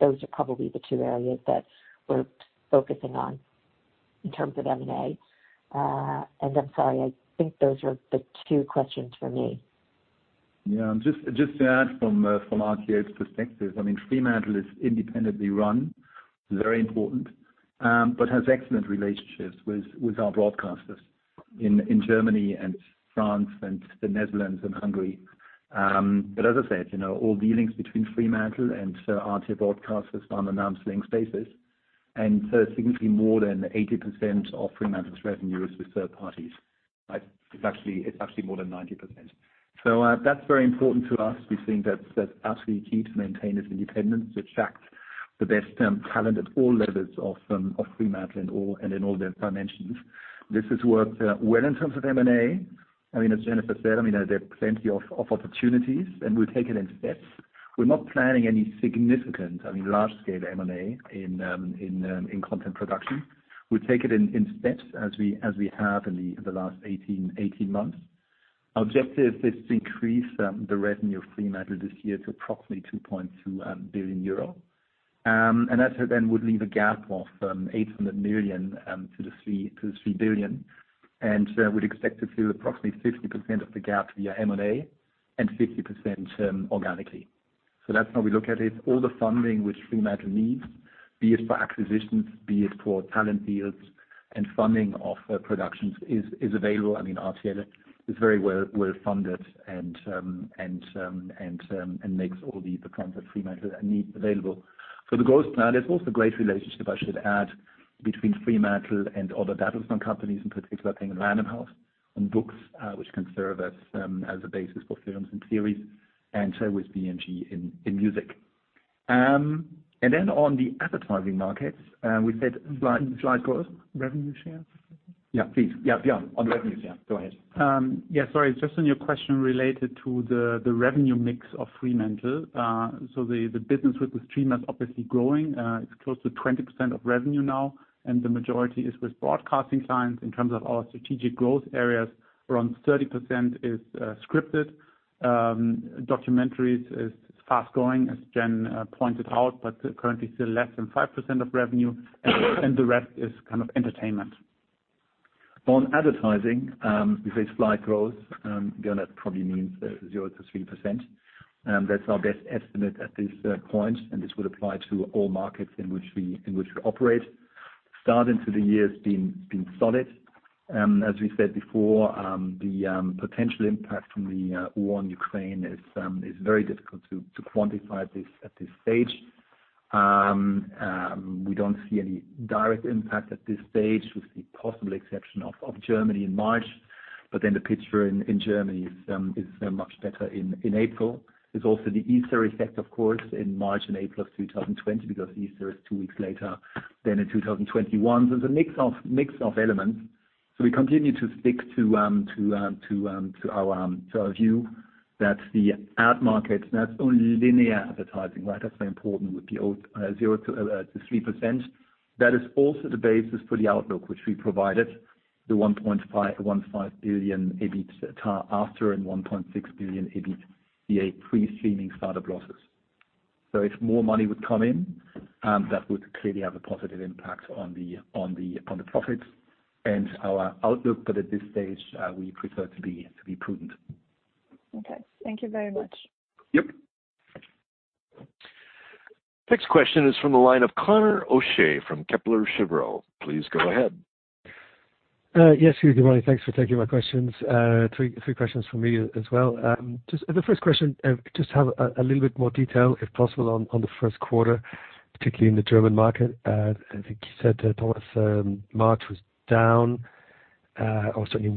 Those are probably the two areas that we're focusing on in terms of M&A. I'm sorry, I think those were the two questions for me. Yeah. Just to add from RTL's perspective, I mean, Fremantle is independently run, very important, but has excellent relationships with our broadcasters in Germany and France and the Netherlands and Hungary. As I said, you know, all dealings between Fremantle and RTL broadcasters are on an arm's length basis. Significantly more than 80% of Fremantle's revenue is with third parties. It's actually more than 90%. That's very important to us. We think that's absolutely key to maintain its independence, to attract the best talent at all levels of Fremantle and in all their dimensions. This has worked well in terms of M&A. I mean, as Jennifer said, I mean, there are plenty of opportunities, and we take it in steps. We're not planning any significant, I mean, large scale M&A in content production. We take it in steps as we have in the last 18 months. Our objective is to increase the revenue of Fremantle this year to approximately 2.2 billion euros. That then would leave a gap of 800 million to the 3 billion. We'd expect to fill approximately 50% of the gap via M&A and 50% organically. That's how we look at it. All the funding which Fremantle needs, be it for acquisitions, be it for talent deals and funding of productions, is available. I mean, RTL is very well funded and makes all the funds that Fremantle needs available. For the growth plan, there's also a great relationship I should add, between Fremantle and other Bertelsmann companies, in particular, thinking of Random House and books, which can serve as a basis for films and series, and so with BMG in music. On the advertising markets, we said slight growth. Revenue share? Yeah, please. Yeah, yeah. On revenues, yeah. Go ahead. Yeah, sorry. Just on your question related to the revenue mix of Fremantle. So the business with the streaming is obviously growing. It's close to 20% of revenue now, and the majority is with broadcasting clients. In terms of our strategic growth areas, around 30% is scripted. Documentaries is fast-growing, as Jen pointed out, but currently still less than 5% of revenue, and the rest is kind of entertainment. On advertising, we say slight growth, beyond that probably means 0%-3%. That's our best estimate at this point, and this would apply to all markets in which we operate. The start into the year has been solid. As we said before, the potential impact from the war in Ukraine is very difficult to quantify at this stage. We don't see any direct impact at this stage, with the possible exception of Germany in March. Then the picture in Germany is much better in April. There's also the Easter effect, of course, in March and April of 2020 because Easter is two weeks later than in 2021. It's a mix of elements. We continue to stick to our view that the ad market, that's only linear advertising, right? That's very important with the 0%-3%. That is also the basis for the outlook which we provided, the 1.5 billion EBITA after and 1.6 billion EBITA pre-streaming start-up losses. If more money would come in, that would clearly have a positive impact on the profits and our outlook. At this stage, we prefer to be prudent. Okay. Thank you very much. Yep. Next question is from the line of Conor O'Shea from Kepler Cheuvreux. Please go ahead. Yes. Good morning. Thanks for taking my questions. Three questions from me as well. Just the first question, just have a little bit more detail, if possible, on the first quarter, particularly in the German market. I think you said, Thomas, March was down, or certainly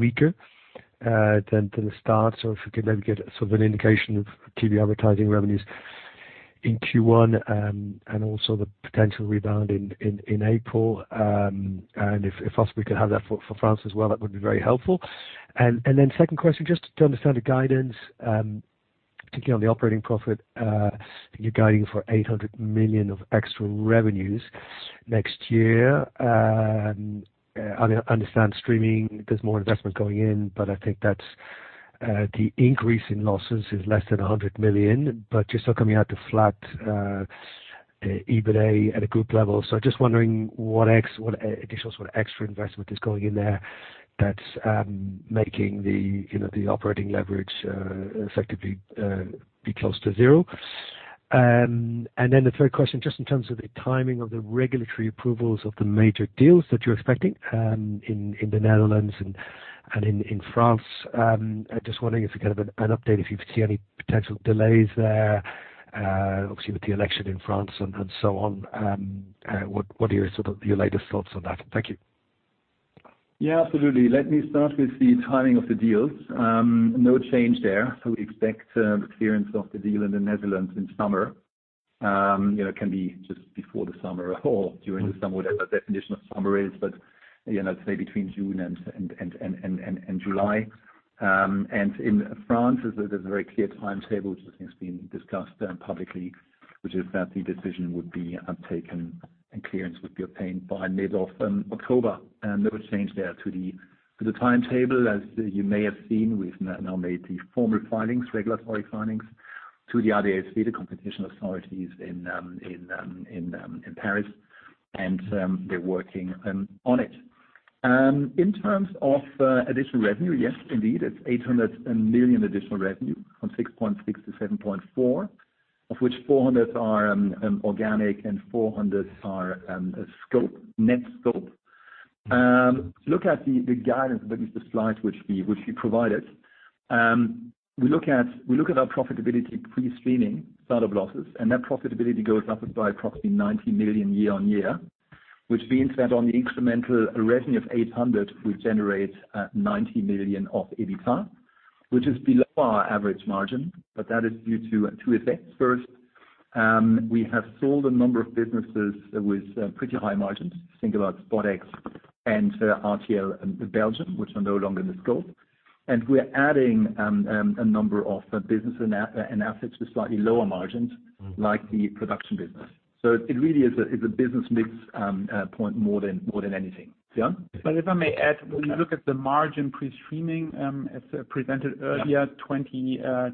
weaker, than the start. If you could maybe give sort of an indication of TV advertising revenues in Q1, and also the potential rebound in April. And if possible, we could have that for France as well, that would be very helpful. Then second question, just to understand the guidance, particularly on the operating profit. You're guiding for 800 million of extra revenues next year. I understand streaming, there's more investment going in, but I think that's the increase in losses is less than 100 million, but you're still coming out to flat EBITA at a group level. Just wondering what additional, sort of extra investment is going in there that's, you know, making the operating leverage effectively be close to zero. The third question, just in terms of the timing of the regulatory approvals of the major deals that you're expecting, in the Netherlands and in France. Just wondering if you could give an update if you see any potential delays there, obviously with the election in France and so on. What are your sort of, your latest thoughts on that? Thank you. Yeah, absolutely. Let me start with the timing of the deals. No change there. We expect clearance of the deal in the Netherlands in summer. You know, it can be just before the summer or during the summer, whatever the definition of summer is. You know, let's say between June and July. In France, there's a very clear timetable, which I think has been discussed publicly, which is that the decision would be taken and clearance would be obtained by mid of October. No change there to the timetable. As you may have seen, we've now made the formal filings, regulatory filings to the ADLC, the competition authorities in Paris. They're working on it. In terms of additional revenue, yes, indeed, it's 800 million additional revenue from 6.6 billion to 7.4 billion, of which 400 million are organic and 400 million are scope, net scope. Look at the guidance that is the slides which we provided. We look at our profitability pre-streaming start-up losses, and that profitability goes up by approximately 90 million year-over-year, which means that on the incremental revenue of 800 million, we generate 90 million of EBITA, which is below our average margin. That is due to two effects. First, we have sold a number of businesses with pretty high margins. Think about SpotX and RTL Belgium, which are no longer in scope. We're adding a number of the business and assets with slightly lower margins, like the production business. It really is a business mix point more than anything. Yeah. If I may add, when you look at the margin pre-streaming, as presented earlier, 21% or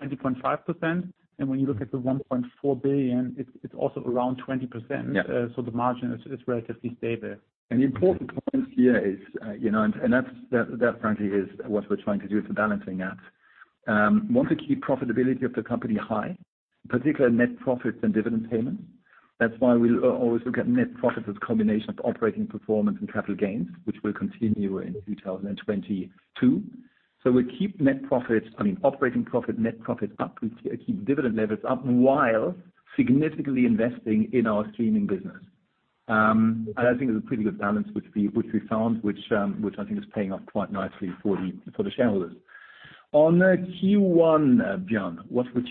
20.5%, and when you look at the 1.4 billion, it's also around 20%. Yeah. The margin is relatively stable. The important point here is that, frankly, is what we're trying to do, it's a balancing act. We want to keep profitability of the company high, particularly net profits and dividend payments. That's why we always look at net profits as a combination of operating performance and capital gains, which will continue in 2022. We keep net profits, I mean, operating profit, net profit up, we keep dividend levels up while significantly investing in our streaming business. I think it's a pretty good balance which we found, which I think is paying off quite nicely for the shareholders. On Q1, John, what would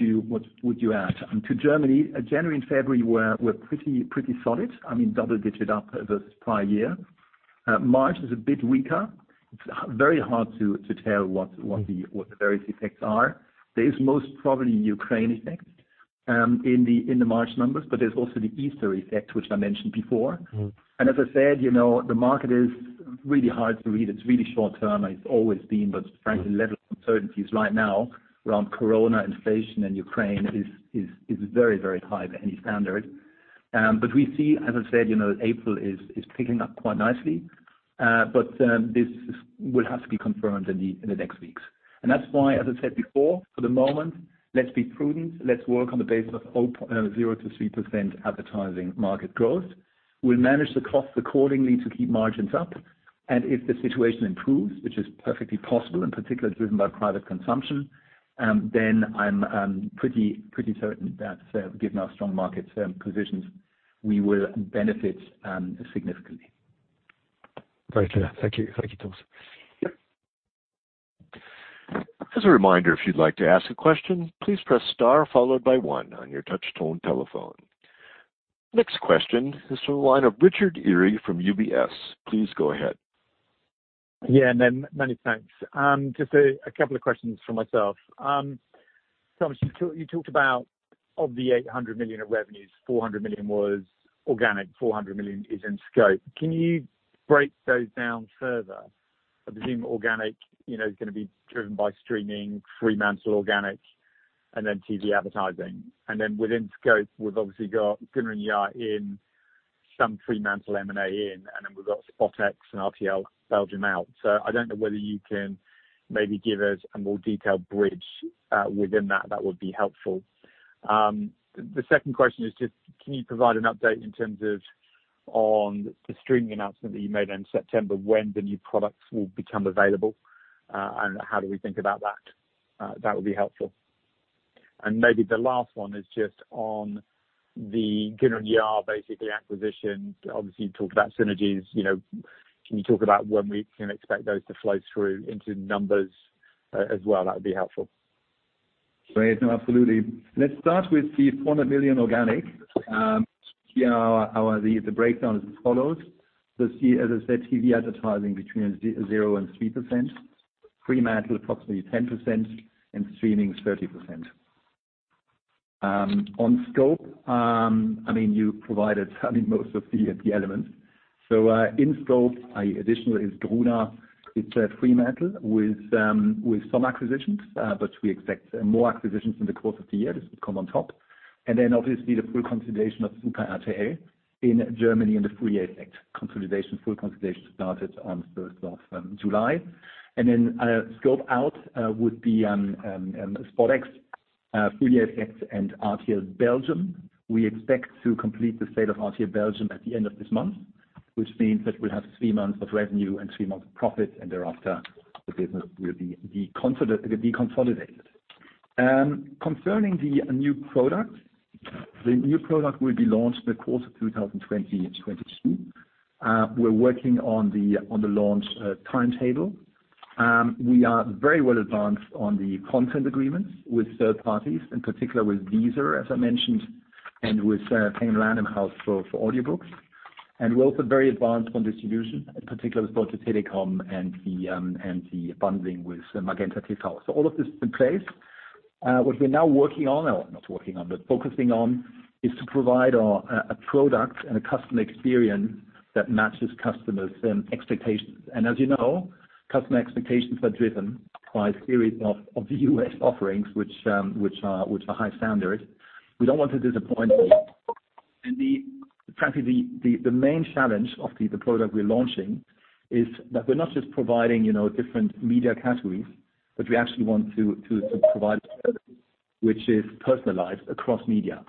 you add? To Germany, January and February were pretty solid. I mean, double-digit up versus prior year. March is a bit weaker. It's very hard to tell what the various effects are. There is most probably Ukraine effect in the March numbers, but there's also the Easter effect, which I mentioned before. Mm-hmm. As I said, you know, the market is really hard to read. It's really short term. It's always been, but frankly, the level of uncertainties right now around COVID-19, inflation and Ukraine is very high by any standard. But we see, as I said, you know, April is picking up quite nicely. But this will have to be confirmed in the next weeks. That's why, as I said before, for the moment, let's be prudent. Let's work on the base of 0%-3% advertising market growth. We'll manage the costs accordingly to keep margins up. If the situation improves, which is perfectly possible, and particularly driven by private consumption, then I'm pretty certain that, given our strong market positions, we will benefit significantly. Very clear. Thank you. Thank you, Thomas. Yeah. As a reminder, if you'd like to ask a question, please press star followed by one on your touch tone telephone. Next question is from the line of Richard Eary from UBS. Please go ahead. Many thanks. Just a couple of questions from myself. Thomas, you talked about the 800 million of revenues, 400 million was organic, 400 million is in scope. Can you break those down further? I presume organic, you know, is gonna be driven by streaming, Fremantle organic, and then TV advertising. Within scope, we've obviously got Gruner + Jahr in some Fremantle M&A, and then we've got SpotX and RTL Belgium out. So I don't know whether you can maybe give us a more detailed bridge within that. That would be helpful. The second question is just, can you provide an update in terms of on the streaming announcement that you made in September, when the new products will become available? And how do we think about that? That would be helpful. Maybe the last one is just on the Gruner + Jahr, basically acquisition. Obviously, you talked about synergies, you know, can you talk about when we can expect those to flow through into numbers, as well? That would be helpful. Great. No, absolutely. Let's start with the 400 million organic. Here, our breakdown is as follows. As I said, TV advertising between 0%-3%, Fremantle approximately 10%, and streaming is 30%. On scope, I mean, you provided, I mean, most of the elements. In scope, additional is Gruner. It's Fremantle with some acquisitions, but we expect more acquisitions in the course of the year. This will come on top. Obviously the full consolidation of Super RTL in Germany and the Free TA consolidation. Full consolidation started on the first of July. Scope out would be SpotX, Free TA and RTL Belgium. We expect to complete the sale of RTL Belgium at the end of this month, which means that we'll have three months of revenue and three months of profit, and thereafter the business will be deconsolidated. Concerning the new product, the new product will be launched in the course of 2022. We're working on the launch timetable. We are very well advanced on the content agreements with third parties, in particular with Deezer, as I mentioned, and with Penguin Random House for audiobooks. We're also very advanced on distribution, in particular with Deutsche Telekom and the bundling with MagentaTV. All of this is in place. What we're now working on, or not working on, but focusing on, is to provide a product and a customer experience that matches customers' expectations. As you know, customer expectations are driven by a series of U.S. offerings which are high standard. We don't want to disappoint them. Frankly, the main challenge of the product we're launching is that we're not just providing, you know, different media categories, but we actually want to provide services which is personalized across media.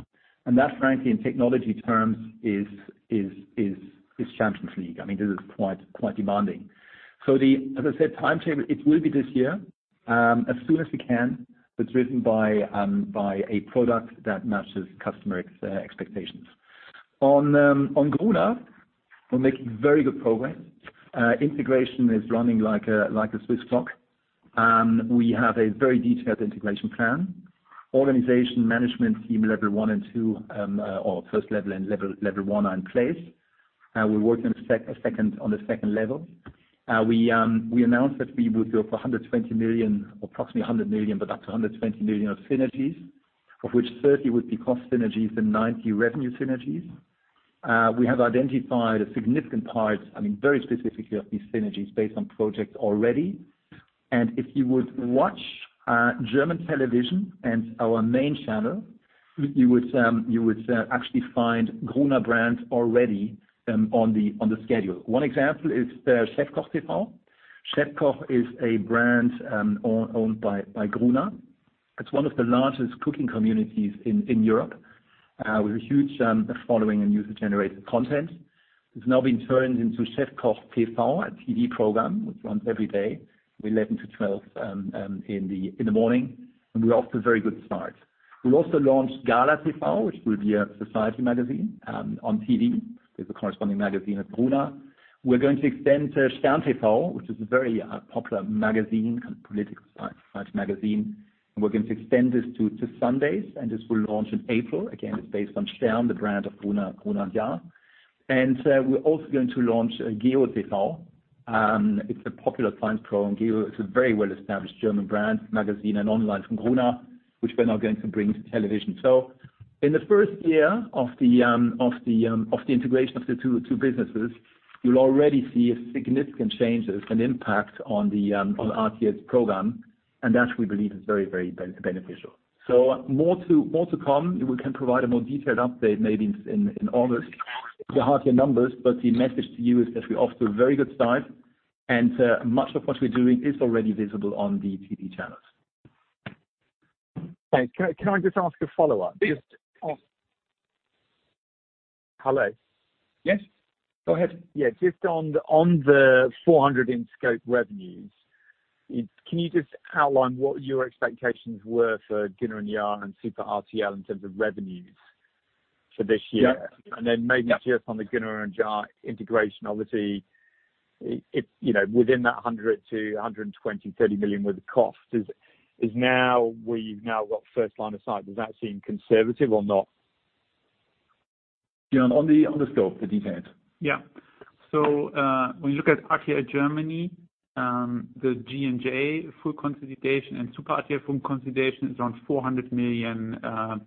That, frankly, in technology terms is Champions League. I mean, this is quite demanding. As I said, the timetable will be this year, as soon as we can, but driven by a product that matches customer expectations. On Gruner + Jahr, we're making very good progress. Integration is running like a Swiss clock. We have a very detailed integration plan. Organization management team level one and two, or first level and level one are in place. We're working on the second level. We announced that we would go for 120 million, approximately 100 million, but up to 120 million of synergies, of which 30 would be cost synergies and 90 revenue synergies. We have identified a significant part, I mean, very specifically of these synergies based on projects already. If you would watch German television and our main channel, you would actually find Gruner + Jahr brands already on the schedule. One example is Chefkoch TV. Chefkoch is a brand owned by Gruner + Jahr. It's one of the largest cooking communities in Europe with a huge following in user-generated content.: It's now been turned into Chefkoch TV, a TV program, which runs every day with 11:00 A.M to 12:00 A.M In the morning, and we're off to a very good start. We also launched Gala TV, which will be a society magazine on TV. There's a corresponding magazine at Gruner + Jahr. We're going to extend to Stern TV, which is a very popular magazine, a political science magazine. We're going to extend this to Sundays, and this will launch in April. Again, it's based on Stern, the brand of Gruner + Jahr. We're also going to launch Geo TV. It's a popular science program. Geo is a very well-established German brand, magazine, and online from Gruner + Jahr, which we're now going to bring to television. In the first year of the integration of the two businesses, you'll already see significant changes and impact on RTL's program, and that we believe is very beneficial. More to come. We can provide a more detailed update maybe in August with the half year numbers. The message to you is that we're off to a very good start, and much of what we're doing is already visible on the TV channels. Hey, can I just ask a follow-up? Yes, of course. Hello? Yes, go ahead. Yeah. Just on the 400 in-scope revenues, can you just outline what your expectations were for Gruner + Jahr and Super RTL in terms of revenues for this year? Yeah. Maybe just on the Gruner + Jahr integration, obviously it you know, within that 100 million-130 million worth of costs, is now where you've now got first line of sight. Does that seem conservative or not? Björn Bauer, on the scope, the details. Yeah. When you look at RTL Germany, the G+J full consolidation and Super RTL full consolidation is around 400 million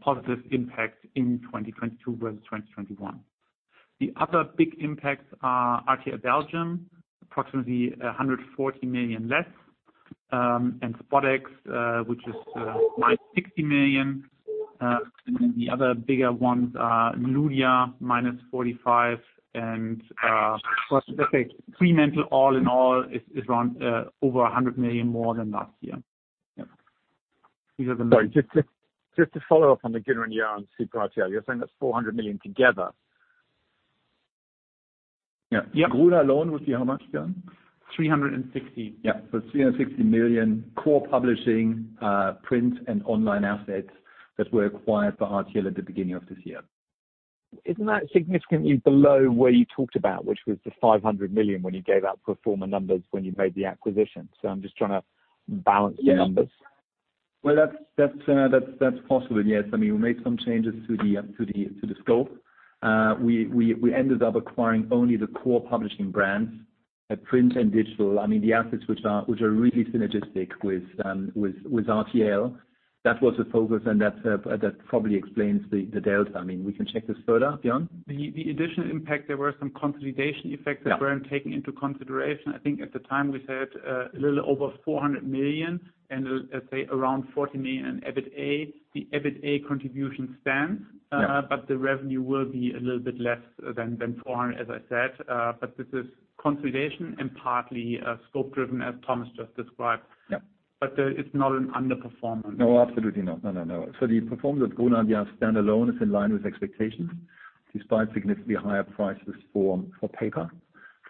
positive impact in 2022 versus 2021. The other big impacts are RTL Belgium, approximately 140 million less, and SpotX, which is -60 million. Then the other bigger ones are Ludia, -45 million, and Fremantle all in all is around over 100 million more than last year. Yeah. These are the Sorry, just to follow up on the Gruner + Jahr and Super RTL. You're saying that's 400 million together? Yeah. Yeah. Gruner + Jahr alone would be how much, Björn Bauer? 360. Yeah. 360 million core publishing, print and online assets that were acquired by RTL at the beginning of this year. Isn't that significantly below where you talked about, which was the 500 million when you gave out pro forma numbers when you made the acquisition? I'm just trying to balance the numbers. Yeah. Well, that's possible, yes. I mean, we made some changes to the scope. We ended up acquiring only the core publishing brands at print and digital. I mean, the assets which are really synergistic with RTL. That was the focus, and that probably explains the delta. I mean, we can check this further. Jan? The additional impact. There were some consolidation effects. Yeah. that weren't taken into consideration. I think at the time we said, a little over 400 million and, let's say around 40 million EBITA. The EBITA contribution stands- Yeah. The revenue will be a little bit less than 400, as I said. This is consolidation and partly scope driven, as Thomas just described. Yeah. It's not an underperformance. No, absolutely not. No, no. The performance at Gruner + Jahr standalone is in line with expectations, despite significantly higher prices for paper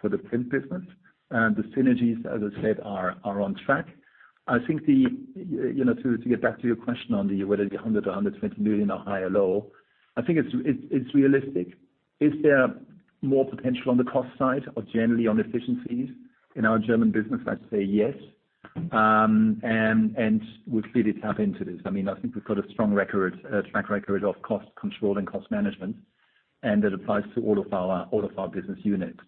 for the print business. The synergies, as I said, are on track. I think, you know, to get back to your question on whether the 100 million or 120 million are high or low, I think it's realistic. Is there more potential on the cost side or generally on efficiencies in our German business? I'd say yes. We're clearly tapping into this. I mean, I think we've got a strong track record of cost control and cost management, and that applies to all of our business units.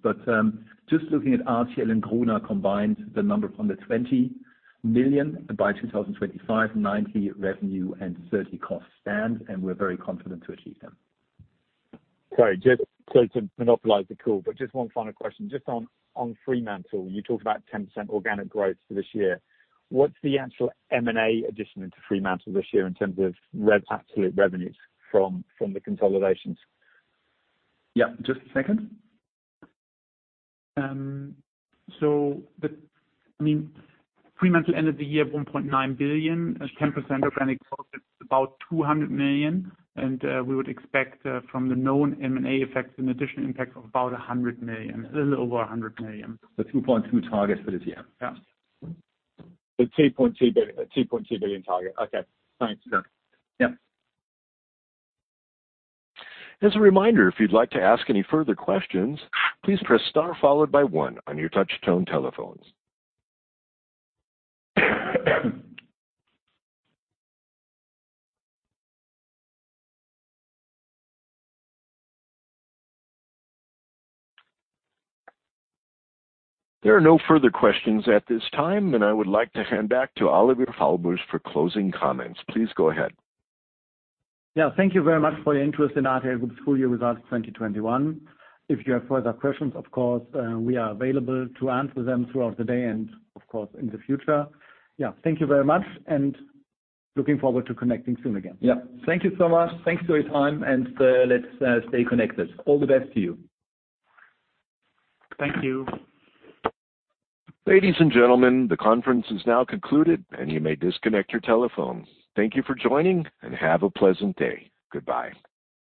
just looking at RTL and Gruner + Jahr combined, the number of under 20 million by 2025, 70% revenue and 30% costs, and we're very confident to achieve them. Sorry, just to monopolize the call, but just one final question. Just on Fremantle, you talked about 10% organic growth for this year. What's the actual M&A addition into Fremantle this year in terms of absolute revenues from the consolidations? Yeah. Just a second. I mean, Fremantle ended the year at 1.9 billion. At 10% organic growth, it's about 200 million. We would expect from the known M&A effects an additional impact of about 100 million, a little over 100 million. 2.2 targets for this year. Yeah. The 2.2 billion target. Okay. Thanks. Yeah. Yeah. As a reminder, if you'd like to ask any further questions, please press star followed by one on your touch tone telephones. There are no further questions at this time, and I would like to hand back to Oliver Fahlbusch for closing comments. Please go ahead. Yeah. Thank you very much for your interest in RTL Group's full year results 2021. If you have further questions, of course, we are available to answer them throughout the day and, of course, in the future. Yeah. Thank you very much, and looking forward to connecting soon again. Yeah. Thank you so much. Thanks for your time, and let's stay connected. All the best to you. Thank you. Ladies and gentlemen, the conference is now concluded, and you may disconnect your telephones. Thank you for joining, and have a pleasant day. Goodbye.